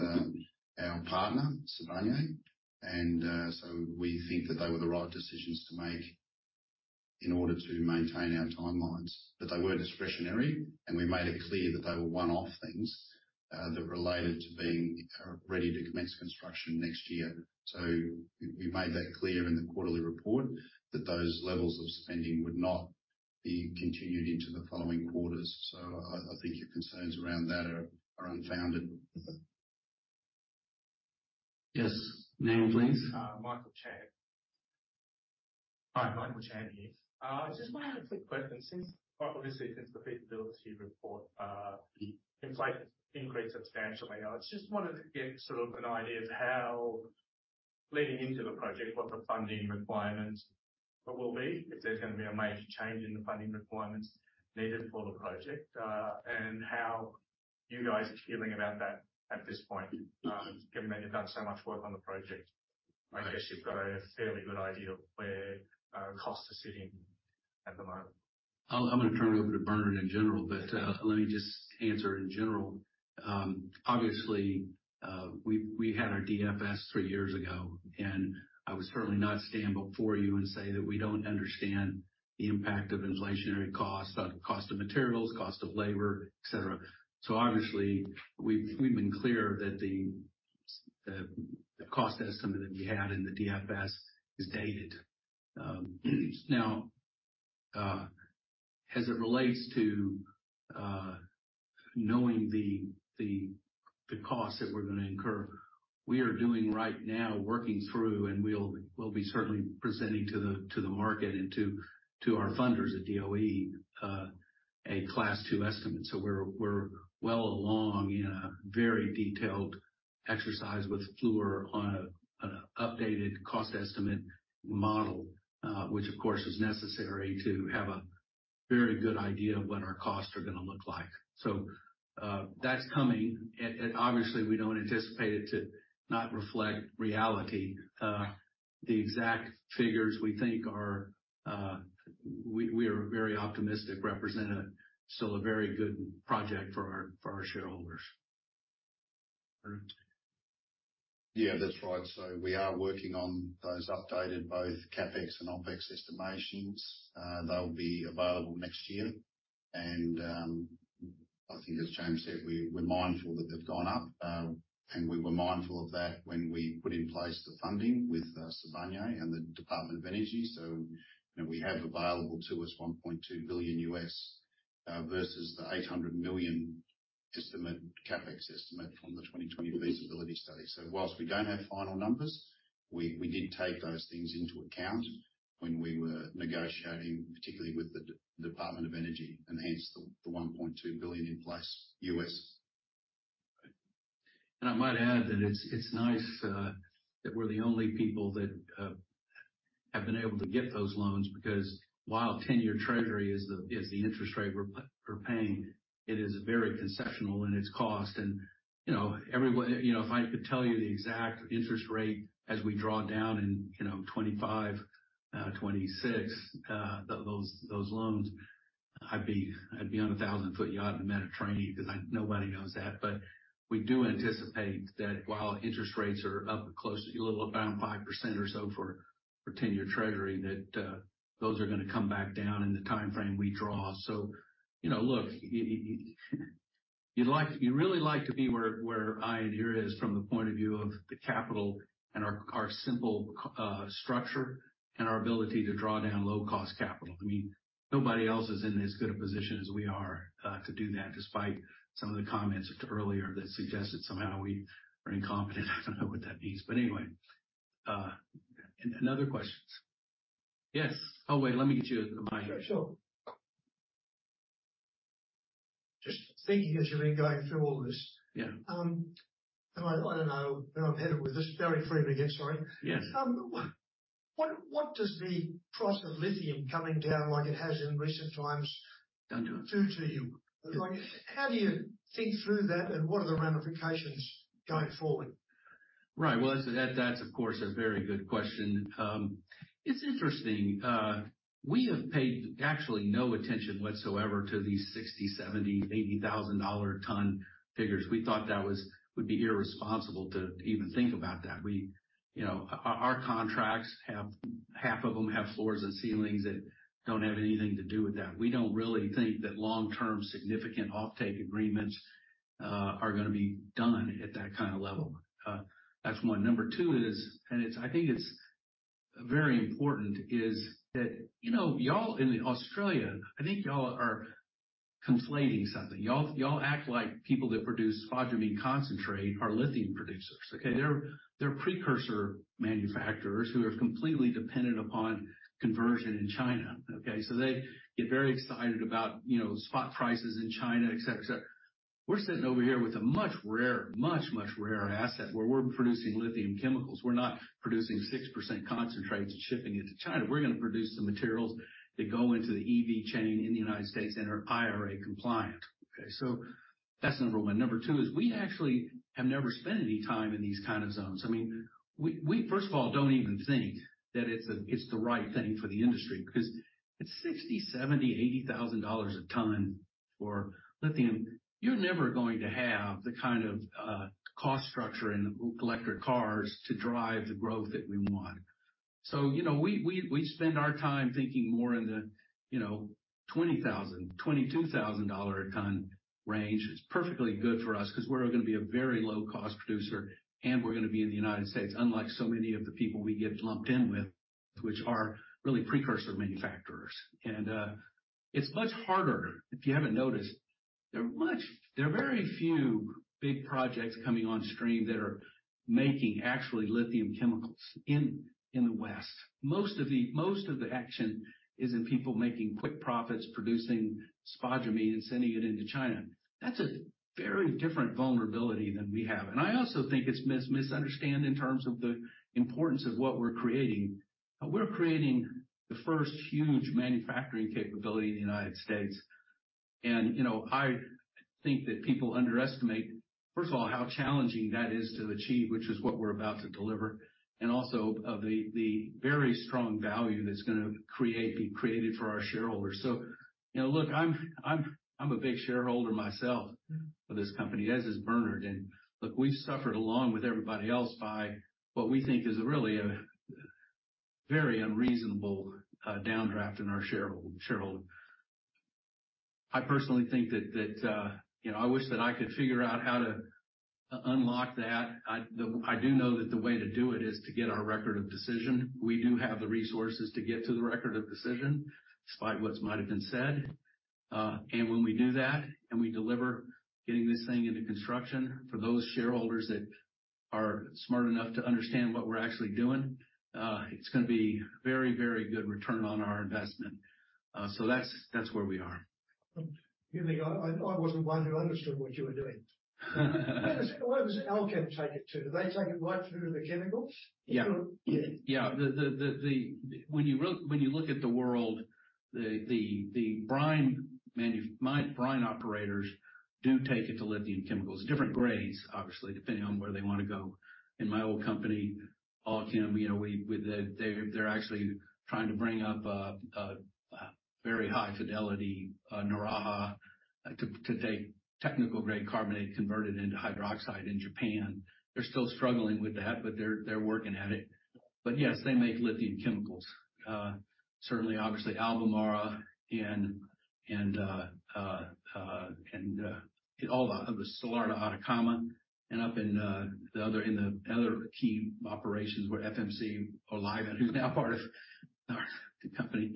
our partner, Sibanye-Stillwater. So we think that they were the right decisions to make in order to maintain our timelines. But they were discretionary, and we made it clear that they were one-off things that related to being ready to commence construction next year. So we made that clear in the quarterly report that those levels of spending would not be continued into the following quarters. So I think your concerns around that are unfounded. Yes, name, please? Michael Chang. Hi, Michael Chang here. I just wanted a quick question. Since, obviously, since the feasibility report, inflation increased substantially. I just wanted to get sort of an idea of how leading into the project, what the funding requirements what will be, if there's gonna be a major change in the funding requirements needed for the project, and how you guys are feeling about that at this point, given that you've done so much work on the project. I guess you've got a fairly good idea of where costs are sitting at the moment. I'm gonna turn it over to Bernard in general, but let me just answer in general. Obviously, we had our DFS three years ago, and I would certainly not stand before you and say that we don't understand the impact of inflationary costs on cost of materials, cost of labor, et cetera. So obviously, we've been clear that the cost estimate that we had in the DFS is dated. Now, as it relates to knowing the costs that we're gonna incur, we are doing right now, working through, and we'll be certainly presenting to the market and to our funders at DOE, a Class 2 estimate. So we're well along in a very detailed exercise with Fluor on an updated cost estimate model, which of course is necessary to have a very good idea of what our costs are gonna look like. So that's coming, and obviously we don't anticipate it to not reflect reality. The exact figures we think are, we are very optimistic, represent still a very good project for our shareholders. Bernard? Yeah, that's right. So we are working on those updated, both CapEx and OpEx estimations. They'll be available next year, and I think as James said, we're, we're mindful that they've gone up, and we were mindful of that when we put in place the funding with Sibanye-Stillwater and the Department of Energy. So we have available to us $1.2 billion versus the $800 million estimate, CapEx estimate from the 2020 feasibility study. So while we don't have final numbers, we, we did take those things into account when we were negotiating, particularly with the Department of Energy, and hence the $1.2 billion in place. I might add that it's, it's nice that we're the only people that have been able to get those loans, because while 10-year Treasury is the interest rate we're paying, it is very concessional in its cost. And, you know, everyone, you know, if I could tell you the exact interest rate as we draw down in, you know, 2025, 2026, those loans, I'd be on a 1,000-foot yacht in the Mediterranean, 'cause I... Nobody knows that. But we do anticipate that while interest rates are up close to a little around 5% or so for 10-year Treasury, that those are gonna come back down in the timeframe we draw. So, you know, look, You'd like—you'd really like to be where, where I and here is from the point of view of the capital and our, our simple structure and our ability to draw down low-cost capital. I mean, nobody else is in as good a position as we are to do that, despite some of the comments earlier that suggested somehow we are incompetent. I don't know what that means, but anyway, any other questions? Yes. Oh, wait, let me get you the mic. Sure. Just thinking as you've been going through all this. Yeah. I don't know where I'm headed with this very freely again, sorry. Yes. What does the price of lithium coming down like it has in recent times do to you? Like, how do you think through that, and what are the ramifications going forward? Right. Well, that's of course a very good question. It's interesting. We have paid actually no attention whatsoever to these $60,000/ton, $70,000/ton, $80,000/ton figures. We thought that would be irresponsible to even think about that. We, you know, our contracts have half of them have floors and ceilings that don't have anything to do with that. We don't really think that long-term, significant offtake agreements are gonna be done at that kind of level. That's one. Number two is, and it's I think it's very important is that, you know, y'all in Australia, I think y'all are conflating something. Y'all act like people that produce spodumene concentrate are lithium producers, okay? They're precursor manufacturers who are completely dependent upon conversion in China, okay? So they get very excited about, you know, spot prices in China, et cetera, et cetera. We're sitting over here with a much rarer, much, much rarer asset where we're producing lithium chemicals. We're not producing 6% concentrates and shipping it to China. We're gonna produce the materials that go into the EV chain in the United States and are IRA compliant, okay? So that's number one. Number two is we actually have never spent any time in these kind of zones. I mean, we first of all don't even think that it's—it's the right thing for the industry, because it's $60,000-$80,000 a ton for lithium. You're never going to have the kind of cost structure in electric cars to drive the growth that we want. So, you know, we spend our time thinking more in the, you know, $20,000-$22,000 a ton range is perfectly good for us because we're going to be a very low-cost producer, and we're gonna be in the United States, unlike so many of the people we get lumped in with, which are really precursor manufacturers. And it's much harder if you haven't noticed. They're much—there are very few big projects coming on stream that are making actually lithium chemicals in the West. Most of the action is in people making quick profits, producing spodumene and sending it into China. That's a very different vulnerability than we have. And I also think it's misunderstood in terms of the importance of what we're creating. We're creating the first huge manufacturing capability in the United States. You know, I think that people underestimate, first of all, how challenging that is to achieve, which is what we're about to deliver, and also of the, the very strong value that's gonna create, be created for our shareholders. So, you know, look, I'm a big shareholder myself of this company, as is Bernard, and look, we've suffered along with everybody else by what we think is really a very unreasonable downdraft in our shareholder value. I personally think that, you know, I wish that I could figure out how to unlock that. I do know that the way to do it is to get our Record of Decision. We do have the resources to get to the Record of Decision, despite what might have been said. and when we do that, and we deliver getting this thing into construction for those shareholders that are smart enough to understand what we're actually doing, it's gonna be very, very good return on our investment. So that's, that's where we are. You think I wasn't the one who understood what you were doing? Where does Allkem take it to? Do they take it right through to the chemicals? Yeah. Yeah. Yeah. When you look at the world, the brine operators do take it to lithium chemicals, different grades, obviously, depending on where they want to go. In my old company, Allkem, you know, they're actually trying to bring up a very high fidelity Naraha to take technical-grade carbonate converted into hydroxide in Japan. They're still struggling with that, but they're working at it. But yes, they make lithium chemicals. Certainly, obviously Albemarle and all the Salar de Atacama and up in the other key operations where FMC or Livent and who are now part of our company.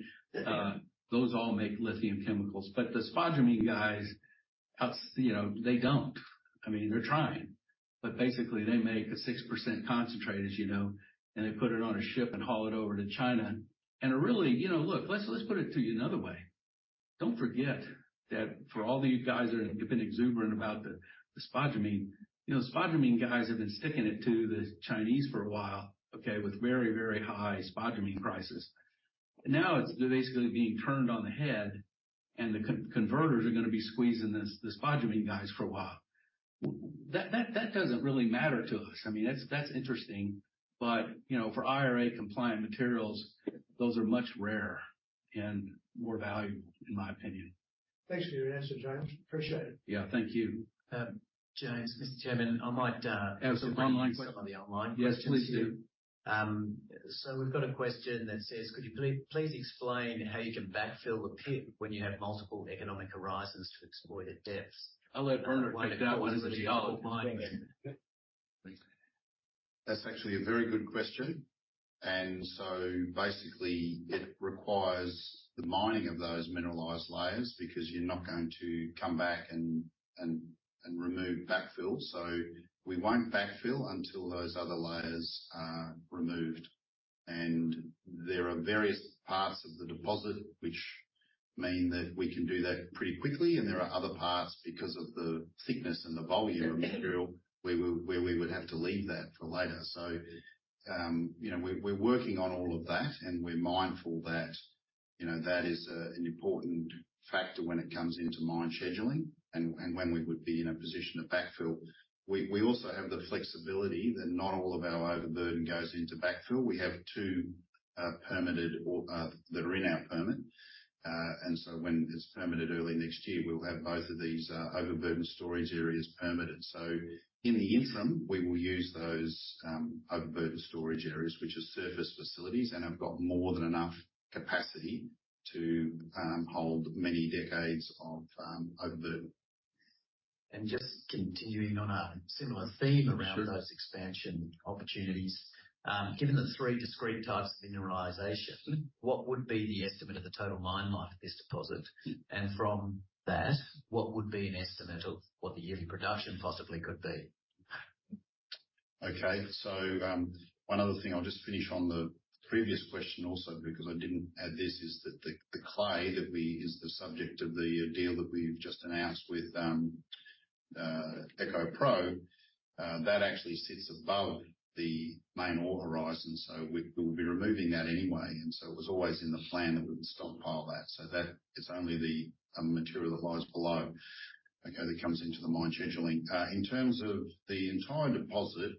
Those all make lithium chemicals, but the spodumene guys, as you know, they don't. I mean, they're trying, but basically they make a 6% concentrate, as you know, and they put it on a ship and haul it over to China. And it really, you know, look, let's put it to you another way. Don't forget that for all the guys that have been exuberant about the spodumene, you know, spodumene guys have been sticking it to the Chinese for a while, okay, with very, very high spodumene prices. Now it's basically being turned on the head, and the converters are gonna be squeezing the spodumene guys for a while. That doesn't really matter to us. I mean, that's interesting, but, you know, for IRA compliant materials, those are much rarer and more valuable, in my opinion. Thanks for your answer, James. Appreciate it. Yeah, thank you. James, Mr. Chairman, I might, As an online question. Some of the online questions. Yes, please do. ... So we've got a question that says: Could you please explain how you can backfill the pit when you have multiple economic horizons to exploited depths? I'll let Bernard take that one, he's the geologist. That's actually a very good question. And so basically, it requires the mining of those mineralized layers, because you're not going to come back and remove backfill. So we won't backfill until those other layers are removed. And there are various parts of the deposit, which mean that we can do that pretty quickly, and there are other parts, because of the thickness and the volume of material, where we would have to leave that for later. So you know, we're working on all of that, and we're mindful that you know, that is an important factor when it comes into mine scheduling and when we would be in a position of backfill. We also have the flexibility that not all of our overburden goes into backfill. We have two permitted or that are in our permit. When it's permitted early next year, we'll have both of these overburden storage areas permitted. In the interim, we will use those overburden storage areas, which are surface facilities and have got more than enough capacity to hold many decades of overburden. Just continuing on a similar theme around those expansion opportunities. Given the three discrete types of mineralization, what would be the estimate of the total mine life of this deposit? And from that, what would be an estimate of what the yearly production possibly could be? Okay. So, one other thing, I'll just finish on the previous question also, because I didn't add this, is that the clay that is the subject of the deal that we've just announced with EcoPro, that actually sits above the main ore horizon, so we, we'll be removing that anyway. And so it was always in the plan that we would stockpile that, so that it's only the material that lies below, okay, that comes into the mine scheduling. In terms of the entire deposit,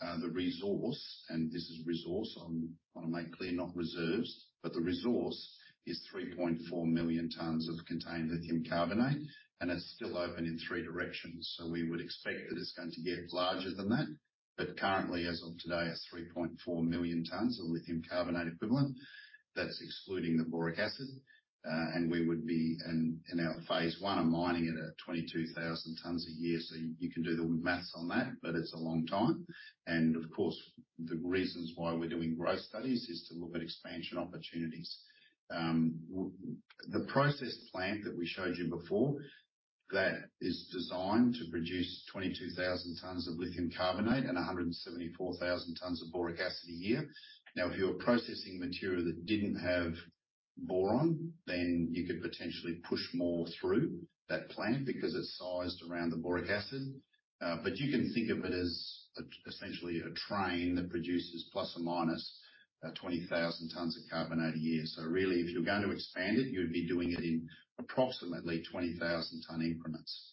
the resource, and this is resource, I wanna make clear, not reserves. But the resource is 3.4 million tons of contained lithium carbonate, and it's still open in three directions, so we would expect that it's going to get larger than that. But currently, as of today, it's 3.4 million tons of lithium carbonate equivalent. That's excluding the boric acid. And we would be, in, in our phase I, mining it at 22,000 tons a year, so you can do the math on that, but it's a long time. And of course, the reasons why we're doing growth studies is to look at expansion opportunities. The process plant that we showed you before, that is designed to produce 22,000 tons of lithium carbonate and 174,000 tons of boric acid a year. Now, if you were processing material that didn't have boron, then you could potentially push more through that plant, because it's sized around the boric acid. you can think of it as, essentially, a train that produces ±20,000 tons of carbonate a year. Really, if you're going to expand it, you'd be doing it in approximately 20,000-ton increments.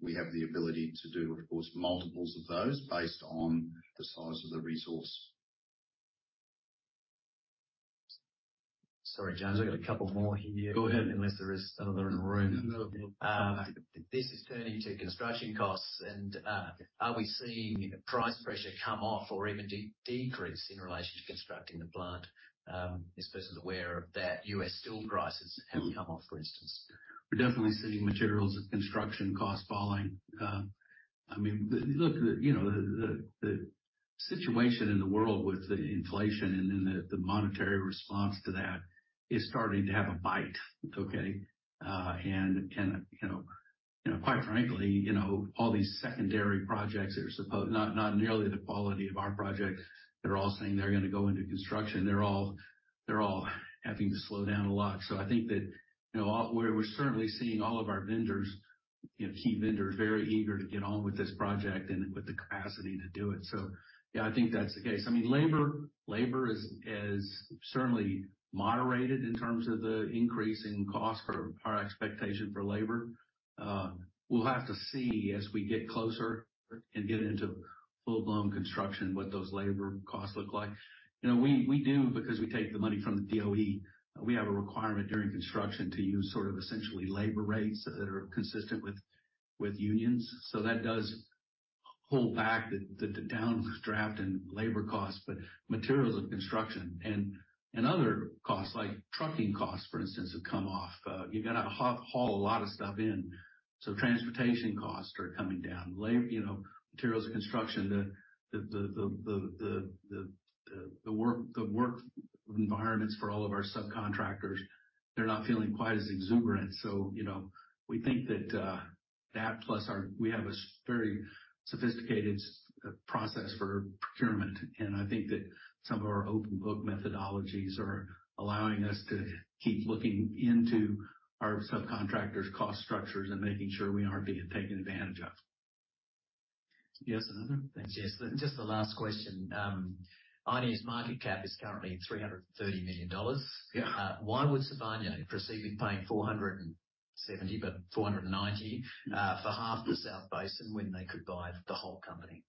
We have the ability to do, of course, multiples of those based on the size of the resource. Sorry, James, I've got a couple more here. Go ahead, unless there is another in the room. This is turning to construction costs and, are we seeing price pressure come off or even decrease in relation to constructing the plant? This person's aware of that U.S. steel prices have come off, for instance. We're definitely seeing materials and construction costs falling. I mean, look, you know, the situation in the world with the inflation and then the monetary response to that is starting to have a bite, okay? And, you know, quite frankly, you know, all these secondary projects that are supposed—not nearly the quality of our projects, they're all saying they're gonna go into construction. They're all having to slow down a lot. So I think that, you know, all... We're certainly seeing all of our vendors, you know, key vendors, very eager to get on with this project and with the capacity to do it. So yeah, I think that's the case. I mean, labor is certainly moderated in terms of the increase in cost for our expectation for labor. We'll have to see as we get closer and get into full-blown construction, what those labor costs look like. You know, we do, because we take the money from the DOE, we have a requirement during construction to use sort of essentially labor rates that are consistent with unions. So that does hold back the downdraft in labor costs, but materials of construction and other costs, like trucking costs, for instance, have come off. You're gonna haul a lot of stuff in. So transportation costs are coming down. Labor, you know, materials of construction, the work environments for all of our subcontractors, they're not feeling quite as exuberant. So, you know, we think that that plus our, we have a very sophisticated process for procurement, and I think that some of our open book methodologies are allowing us to keep looking into our subcontractors' cost structures and making sure we aren't being taken advantage of. Yes, another? Thanks, yes. Just the last question. ioneer's market cap is currently $330 million. Yeah. Why would Sibanye proceed with paying $470 million, but $490 million, for half the South Basin when they could buy the whole company?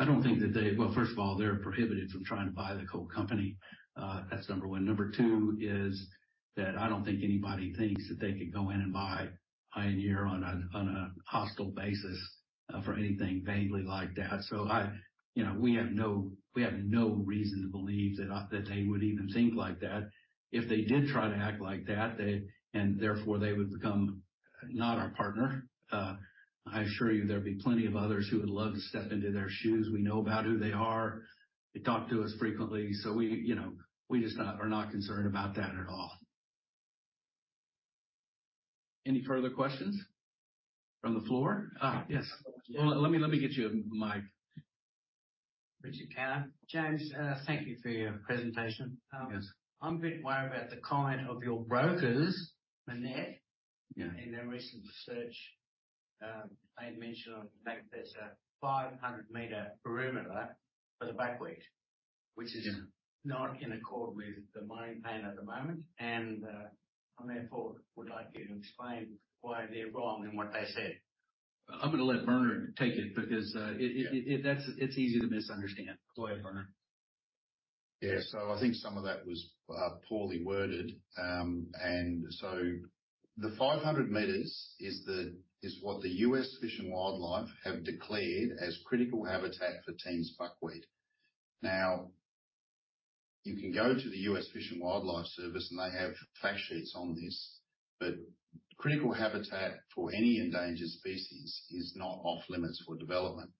I don't think that they. Well, first of all, they're prohibited from trying to buy the whole company. That's number one. Number two is that I don't think anybody thinks that they could go in and buy ioneer on a, on a hostile basis for anything vaguely like that. So I, you know, we have no, we have no reason to believe that, that they would even think like that. If they did try to act like that, they. And therefore, they would become not our partner. I assure you, there'd be plenty of others who would love to step into their shoes. We know about who they are. They talk to us frequently, so we, you know, we just are not concerned about that at all. Any further questions from the floor? Ah, yes. Well, let me, let me get you a mic. Richard Cannon. James, thank you for your presentation. Yes. I'm a bit worried about the comment of your brokers, Bernard. Yeah. In their recent research, they mentioned on, like, there's a 500-meter perimeter for the buckwheat, which is- Yeah... not in accord with the mining plan at the moment, and I therefore would like you to explain why they're wrong in what they said. I'm gonna let Bernard take it because it's easy to misunderstand. Go ahead, Bernard. Yeah. So I think some of that was poorly worded. And so the 500 meters is what the U.S. Fish and Wildlife have declared as critical habitat for Tiehm's buckwheat. Now, you can go to the U.S. Fish and Wildlife Service, and they have fact sheets on this. But critical habitat for any endangered species is not off-limits for development.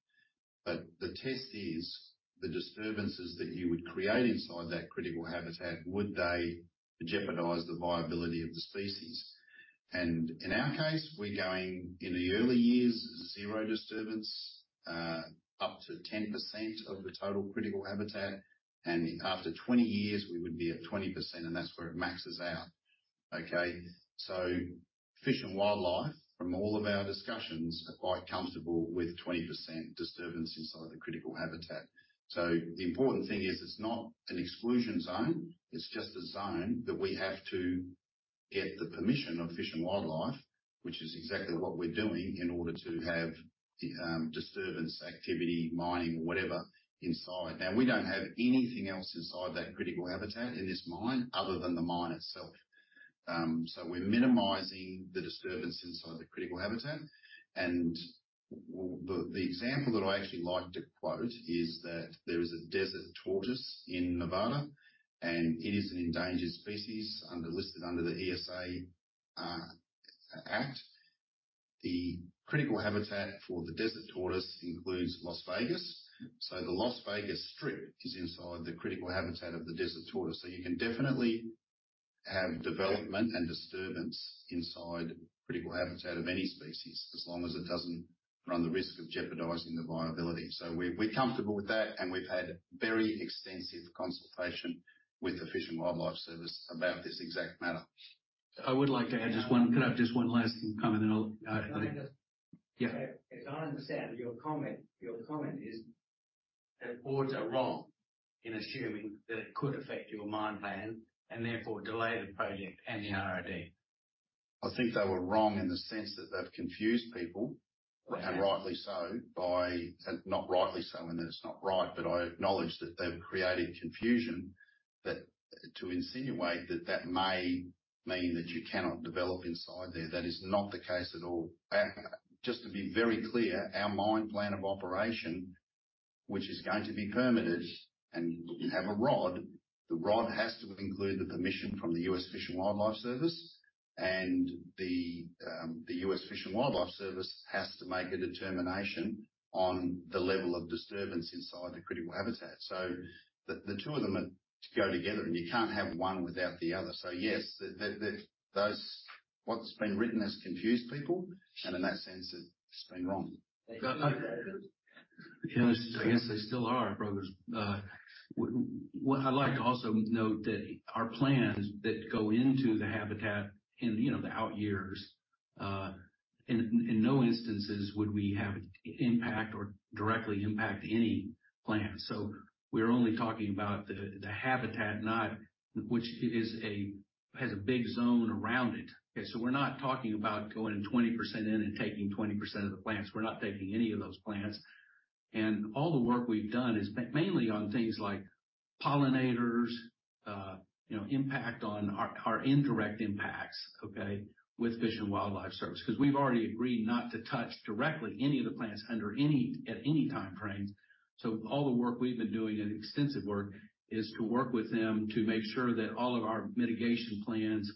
But the test is, the disturbances that you would create inside that critical habitat, would they jeopardize the viability of the species? And in our case, we're going, in the early years, 0 disturbance up to 10% of the total critical habitat, and after 20 years, we would be at 20%, and that's where it maxes out. Okay? So Fish and Wildlife, from all of our discussions, are quite comfortable with 20% disturbance inside the critical habitat. So the important thing is, it's not an exclusion zone. It's just a zone that we have to get the permission of Fish and Wildlife, which is exactly what we're doing, in order to have disturbance, activity, mining, or whatever inside. Now, we don't have anything else inside that critical habitat in this mine other than the mine itself. So we're minimizing the disturbance inside the critical habitat. And the example that I actually like to quote is that there is a desert tortoise in Nevada, and it is an endangered species listed under the ESA Act. The critical habitat for the desert tortoise includes Las Vegas, so the Las Vegas Strip is inside the critical habitat of the desert tortoise. So you can definitely have development and disturbance inside critical habitat of any species, as long as it doesn't run the risk of jeopardizing the viability. So we, we're comfortable with that, and we've had very extensive consultation with the Fish and Wildlife Service about this exact matter. I would like to add just one... Could I have just one last thing coming in, and I'll- Yeah. As I understand your comment, your comment is that [Ords] are wrong in assuming that it could affect your mine plan and therefore delay the project and the FID. I think they were wrong in the sense that they've confused people, and rightly so by not rightly so, and it's not right, but I acknowledge that they've created confusion. That, to insinuate that that may mean that you cannot develop inside there, that is not the case at all. Just to be very clear, our mine plan of operation, which is going to be permitted and have a ROD, the ROD has to include the permission from the U.S. Fish and Wildlife Service, and the U.S. Fish and Wildlife Service has to make a determination on the level of disturbance inside the critical habitat. So those what's been written has confused people, and in that sense, it's been wrong. Yes, I guess they still are our brokers. What I'd like to also note that our plans that go into the habitat in, you know, the out years, in no instances would we have impact or directly impact any plants. So we're only talking about the, the habitat, not... which has a big zone around it. Okay, so we're not talking about going in 20% in and taking 20% of the plants. We're not taking any of those plants. And all the work we've done is mainly on things like pollinators, you know, impact on our indirect impacts, okay, with Fish and Wildlife Service. 'Cause we've already agreed not to touch directly any of the plants under any, at any time frame. So all the work we've been doing, and extensive work, is to work with them to make sure that all of our mitigation plans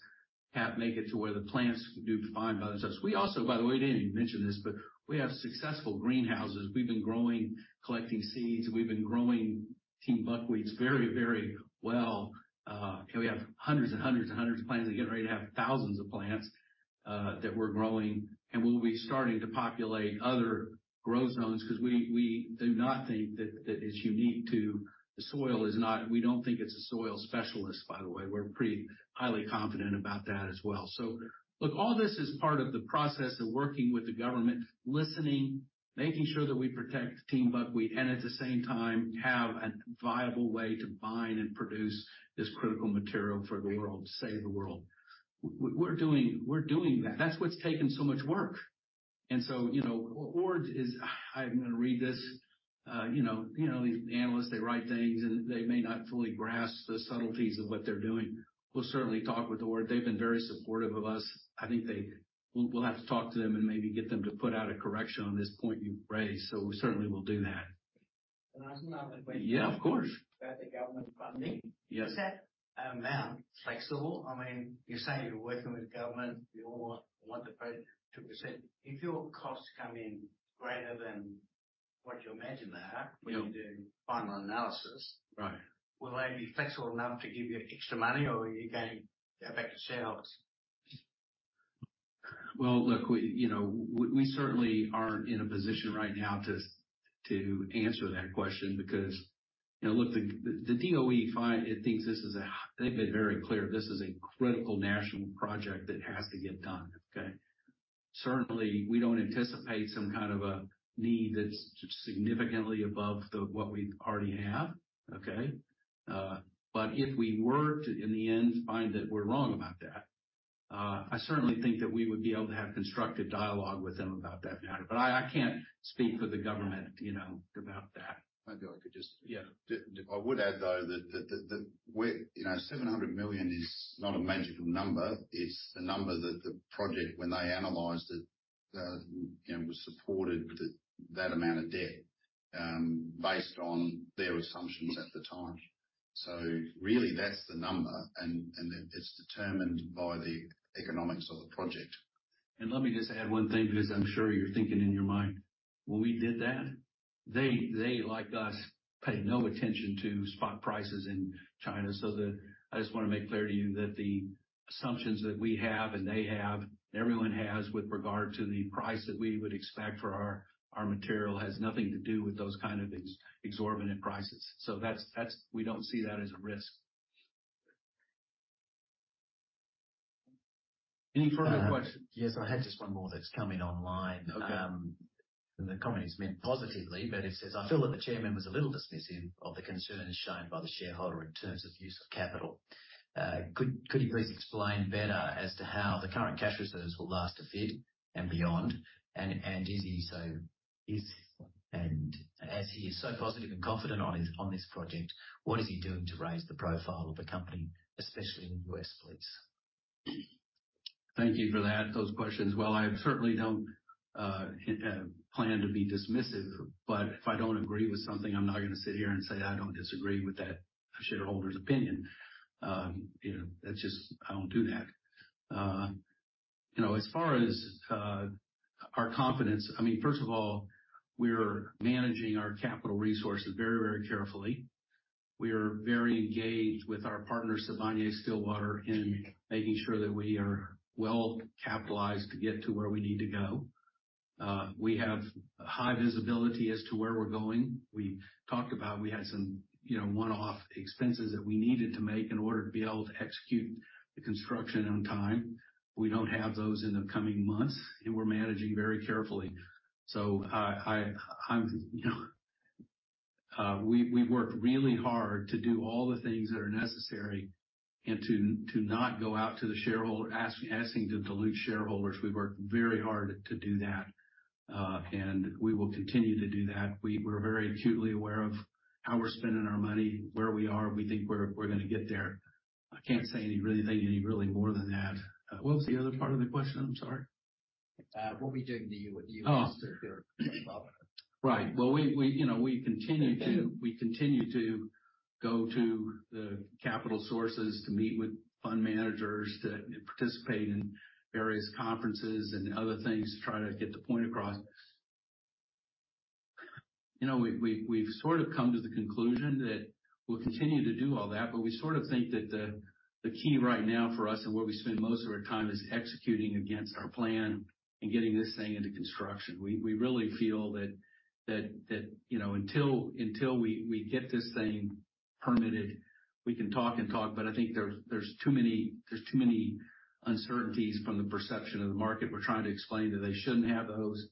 have, make it to where the plants do fine by themselves. We also, by the way, didn't even mention this, but we have successful greenhouses. We've been growing, collecting seeds. We've been growing Tiehm's buckwheats very, very well. We have hundreds and hundreds and hundreds of plants and getting ready to have thousands of plants that we're growing, and we'll be starting to populate other growth zones 'cause we, we do not think that, that is unique to... The soil is not, we don't think it's a soil specialist, by the way. We're pretty highly confident about that as well. So look, all this is part of the process of working with the government, listening, making sure that we protect Tiehm's buckwheat, and at the same time, have a viable way to mine and produce this critical material for the world, to save the world. We're doing, we're doing that. That's what's taken so much work. And so, you know, what Ord is... I'm gonna read this.... you know, you know, these analysts, they write things, and they may not fully grasp the subtleties of what they're doing. We'll certainly talk with the board. They've been very supportive of us. I think they-- we'll, we'll have to talk to them and maybe get them to put out a correction on this point you've raised, so we certainly will do that. Can I ask another question? Yeah, of course. About the government funding. Yes. Is that amount flexible? I mean, you say you're working with the government, you all want the project to proceed. If your costs come in greater than what you imagine they are- Yeah. when you're doing final analysis Right. Will they be flexible enough to give you extra money, or are you going to go back to shareholders? Well, look, we, you know, we certainly aren't in a position right now to answer that question because, you know, look, the DOE find it thinks this is a... They've been very clear, this is a critical national project that has to get done. Okay? Certainly, we don't anticipate some kind of a need that's significantly above what we already have. Okay? But if we were to, in the end, find that we're wrong about that, I certainly think that we would be able to have constructive dialogue with them about that matter, but I can't speak for the government, you know, about that. Maybe I could just- Yeah. I would add, though, that we're, you know, $700 million is not a magical number. It's the number that the project, when they analyzed it, you know, was supported that amount of debt, based on their assumptions at the time. So really, that's the number, and it, it's determined by the economics of the project. And let me just add one thing, because I'm sure you're thinking in your mind. When we did that, they, like us, paid no attention to spot prices in China. So the... I just want to make clear to you that the assumptions that we have, and they have, and everyone has with regard to the price that we would expect for our, our material, has nothing to do with those kind of exorbitant prices. So that's, that's—we don't see that as a risk. Any further questions? Yes, I had just one more that's come in online. Okay. And the comment is meant positively, but it says, "I feel that the chairman was a little dismissive of the concerns shown by the shareholder in terms of use of capital. Could he please explain better as to how the current cash reserves will last a bit and beyond? And as he is so positive and confident on this project, what is he doing to raise the profile of the company, especially in the U.S. splits? Thank you for that, those questions. Well, I certainly don't plan to be dismissive, but if I don't agree with something, I'm not gonna sit here and say, "I don't disagree with that shareholder's opinion." You know, that's just... I don't do that. You know, as far as our confidence, I mean, first of all, we're managing our capital resources very, very carefully. We are very engaged with our partner, Sibanye-Stillwater, in making sure that we are well capitalized to get to where we need to go. We have high visibility as to where we're going. We talked about, we had some, you know, one-off expenses that we needed to make in order to be able to execute the construction on time. We don't have those in the coming months, and we're managing very carefully. So, you know, we've worked really hard to do all the things that are necessary and to not go out to the shareholder, asking to dilute shareholders. We've worked very hard to do that, and we will continue to do that. We're very acutely aware of how we're spending our money, where we are. We think we're gonna get there. I can't say anything really more than that. What was the other part of the question? I'm sorry. What we doing to you, with you- Oh. -as well? Right. Well, you know, we continue to go to the capital sources to meet with fund managers, to participate in various conferences and other things to try to get the point across. You know, we've sort of come to the conclusion that we'll continue to do all that, but we sort of think that the key right now for us and where we spend most of our time is executing against our plan and getting this thing into construction. We really feel that, you know, until we get this thing permitted, we can talk and talk, but I think there's too many uncertainties from the perception of the market. We're trying to explain that they shouldn't have those.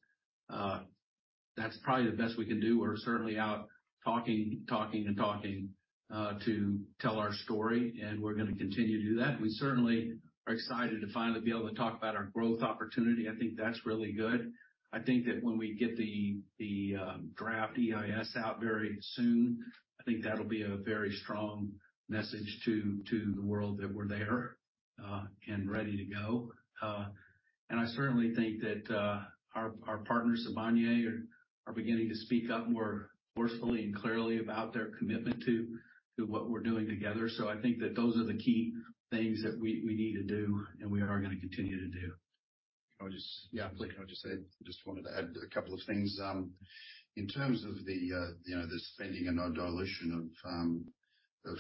That's probably the best we can do. We're certainly out talking, talking, and talking to tell our story, and we're gonna continue to do that. We certainly are excited to finally be able to talk about our growth opportunity. I think that's really good. I think that when we get the draft EIS out very soon, I think that'll be a very strong message to the world that we're there and ready to go. And I certainly think that our partners, Sibanye, are beginning to speak up more forcefully and clearly about their commitment to what we're doing together. So I think that those are the key things that we need to do, and we are gonna continue to do. Can I just- Yeah, please. Can I just add, just wanted to add a couple of things. In terms of the, you know, the spending and no dilution of, of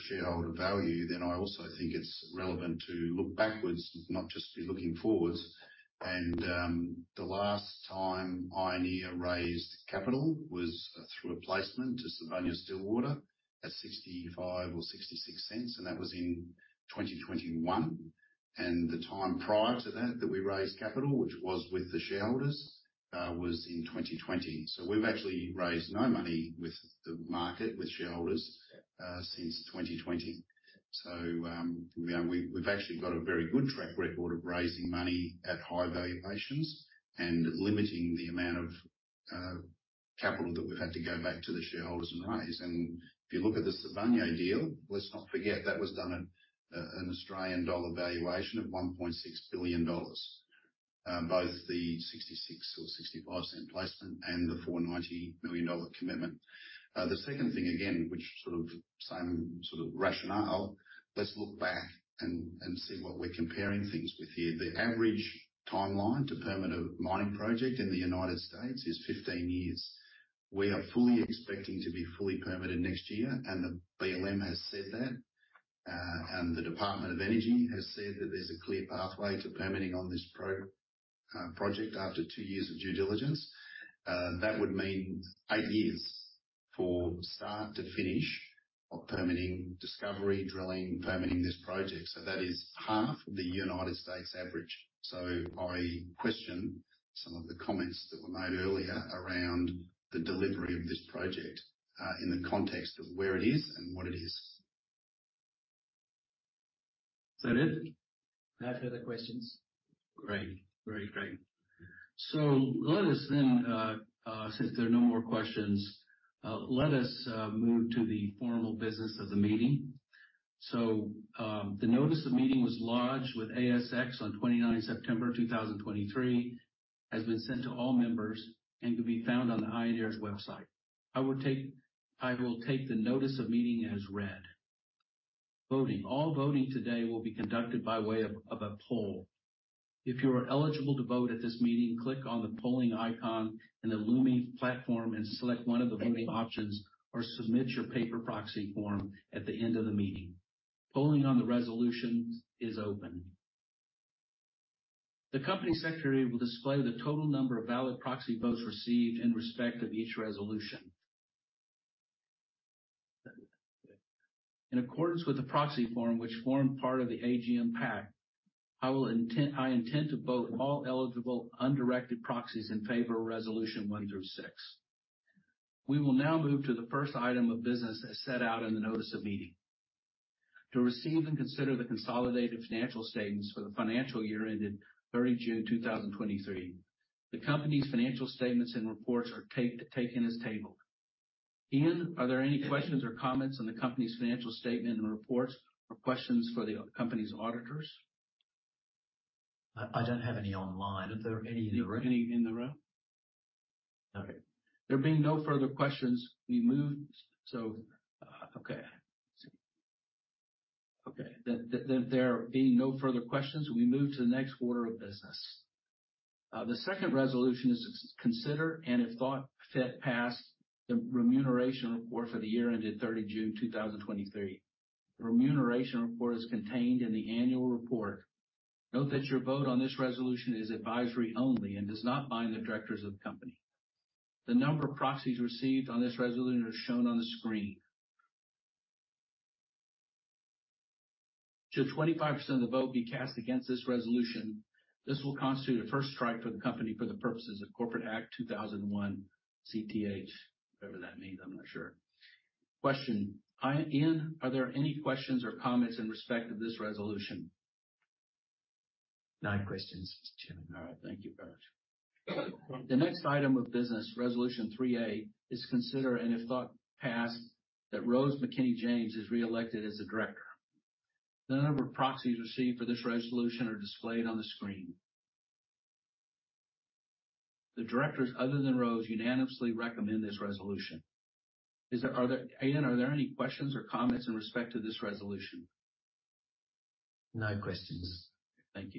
shareholder value, then I also think it's relevant to look backwards, not just be looking forwards. And, the last time ioneer raised capital was through a placement to Sibanye-Stillwater at 0.65-0.66, and that was in 2021. And the time prior to that, that we raised capital, which was with the shareholders, was in 2020. So we've actually raised no money with the market, with shareholders, since 2020. So, we, we've actually got a very good track record of raising money at high valuations and limiting the amount of, capital that we've had to go back to the shareholders and raise. If you look at the Sibanye deal, let's not forget that was done at an Australian dollar valuation of 1.6 billion dollars. Both the 0.66 or 0.65 placement and the $490 million commitment. The second thing, again, which sort of same sort of rationale, let's look back and see what we're comparing things with here. The average timeline to permit a mining project in the United States is 15 years. We are fully expecting to be fully permitted next year, and the BLM has said that. And the Department of Energy has said that there's a clear pathway to permitting on this project after 2 years of due diligence. That would mean 8 years for start to finish of permitting, discovery, drilling, permitting this project. So that is half the United States average. I question some of the comments that were made earlier around the delivery of this project in the context of where it is and what it is. Is that it? No further questions. Great. Very great. So let us then, since there are no more questions, let us move to the formal business of the meeting. So, the notice of meeting was lodged with ASX on 29 September 2023, has been sent to all members and can be found on the ioneer website. I will take the notice of meeting as read. Voting. All voting today will be conducted by way of a poll. If you are eligible to vote at this meeting, click on the polling icon in the Lumi platform and select one of the voting options, or submit your paper proxy form at the end of the meeting. Polling on the resolutions is open. The company secretary will display the total number of valid proxy votes received in respect of each resolution. In accordance with the proxy form, which formed part of the AGM pack, I intend to vote all eligible undirected proxies in favor of Resolution 1 through 6. We will now move to the first item of business as set out in the notice of meeting. To receive and consider the consolidated financial statements for the financial year ended 30 June 2023. The company's financial statements and reports are taken as tabled. Ian, are there any questions or comments on the company's financial statements and reports or questions for the company's auditors? I don't have any online. Are there any in the room? Anyone in the room? Okay. There being no further questions, we move to the next order of business. The second resolution is to consider, and if thought fit, pass the remuneration report for the year ended 30 June 2023. The remuneration report is contained in the annual report. Note that your vote on this resolution is advisory only and does not bind the directors of the company. The number of proxies received on this resolution are shown on the screen. Should 25% of the vote be cast against this resolution, this will constitute a first strike for the company for the purposes of Corporations Act 2001 (Cth), whatever that means, I'm not sure. Questions? Ian, are there any questions or comments in respect of this resolution? No questions, Chairman. [Take it back]. The next item of business, Resolution 3A, is to consider, and if thought, pass, that Rose McKinney-James is reelected as a Director. The number of proxies received for this resolution are displayed on the screen. The Directors, other than Rose, unanimously recommend this resolution. Are there, Ian, any questions or comments in respect to this resolution? No questions. Thank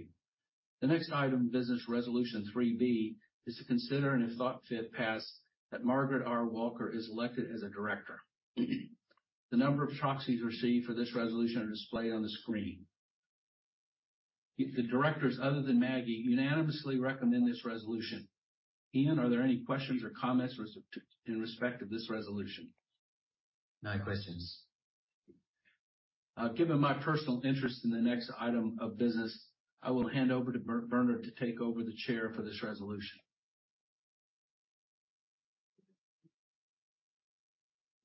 you. The next item of business, Resolution 3B, is to consider, and if thought fit, pass that Margaret R. Walker is elected as a Director. The number of proxies received for this resolution are displayed on the screen. The directors, other than Maggie, unanimously recommend this resolution. Ian, are there any questions or comments in respect of this resolution? No questions. Given my personal interest in the next item of business, I will hand over to Bernard to take over the chair for this resolution.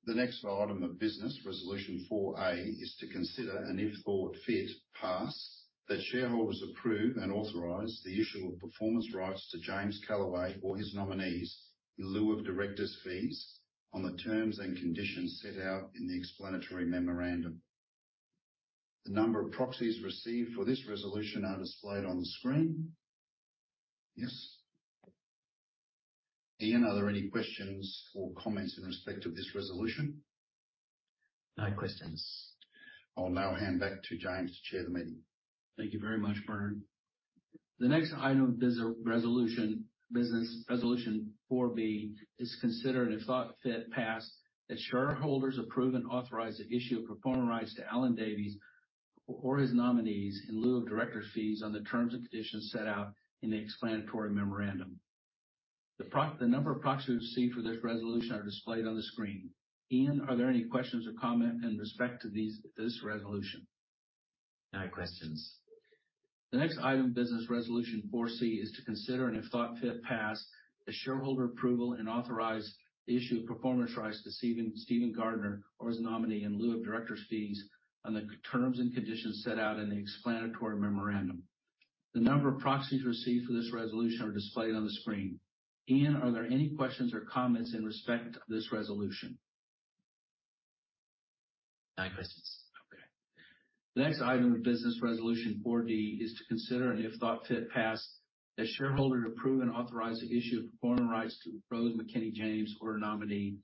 The next item of business, Resolution 4A, is to consider, and if thought fit, pass that shareholders approve and authorize the issue of performance rights to James Calaway or his nominees, in lieu of Directors' fees, on the terms and conditions set out in the explanatory memorandum. The number of proxies received for this resolution are displayed on the screen. Yes. Ian, are there any questions or comments in respect of this resolution? No questions. I'll now hand back to James to chair the meeting. Thank you very much, Bernard. The next item of business, Resolution 4B, is to consider, and if thought fit, pass that shareholders approve and authorize the issue of performance rights to Alan Davies or his nominees, in lieu of directors' fees, on the terms and conditions set out in the explanatory memorandum. The number of proxies received for this resolution are displayed on the screen. Ian, are there any questions or comments in respect to this resolution? No questions. The next item of business, Resolution 4C, is to consider, and if thought fit, pass the shareholder approval and authorize the issue of performance rights to Stephen Gardiner or his nominee,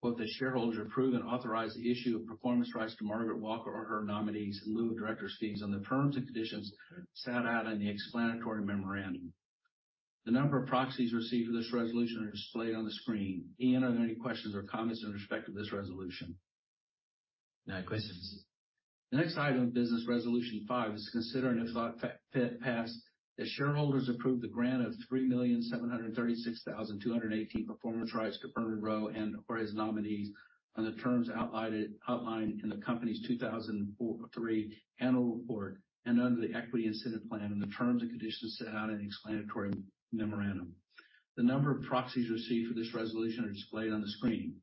what the shareholders approve and authorize the issue of performance rights to Margaret Walker or her nominees, in lieu of directors' fees, on the terms and conditions set out in the explanatory memorandum. The number of proxies received for this resolution are displayed on the screen. Ian, are there any questions or comments in respect of this resolution? No questions. The next item of business, Resolution 5, is to consider, and if thought fit, pass, that shareholders approve the grant of 3,736,218 performance rights to Bernard Rowe and or his nominees on the terms outlined in the company's 2023 annual report and under the equity incentive plan, and the terms and conditions set out in the explanatory memorandum. The number of proxies received for this resolution are displayed on the screen.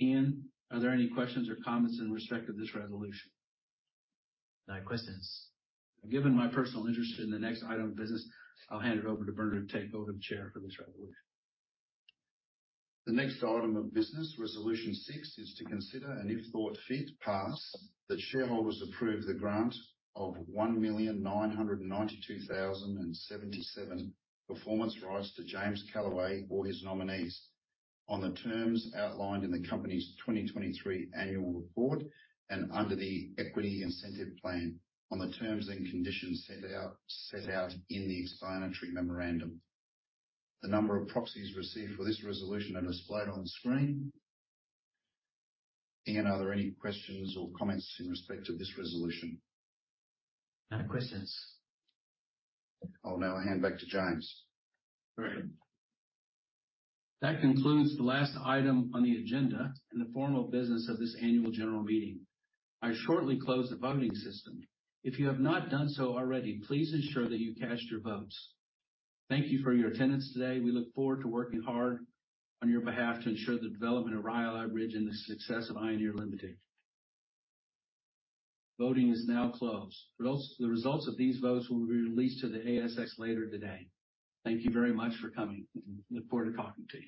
Ian, are there any questions or comments in respect of this resolution? No questions. Given my personal interest in the next item of business, I'll hand it over to Bernard to take over the chair for this resolution. The next item of business, Resolution 6, is to consider, and if thought fit, pass, that shareholders approve the grant of 1,992,077 performance rights to James Calaway or his nominees on the terms outlined in the company's 2023 annual report and under the equity incentive plan on the terms and conditions set out in the explanatory memorandum. The number of proxies received for this resolution are displayed on screen. Ian, are there any questions or comments in respect to this resolution? No questions. I'll now hand back to James. Great. That concludes the last item on the agenda and the formal business of this annual general meeting. I shortly close the voting system. If you have not done so already, please ensure that you cast your votes. Thank you for your attendance today. We look forward to working hard on your behalf to ensure the development of Rhyolite Ridge and the success of ioneer Ltd. Voting is now closed. Results. The results of these votes will be released to the ASX later today. Thank you very much for coming. We look forward to talking to you.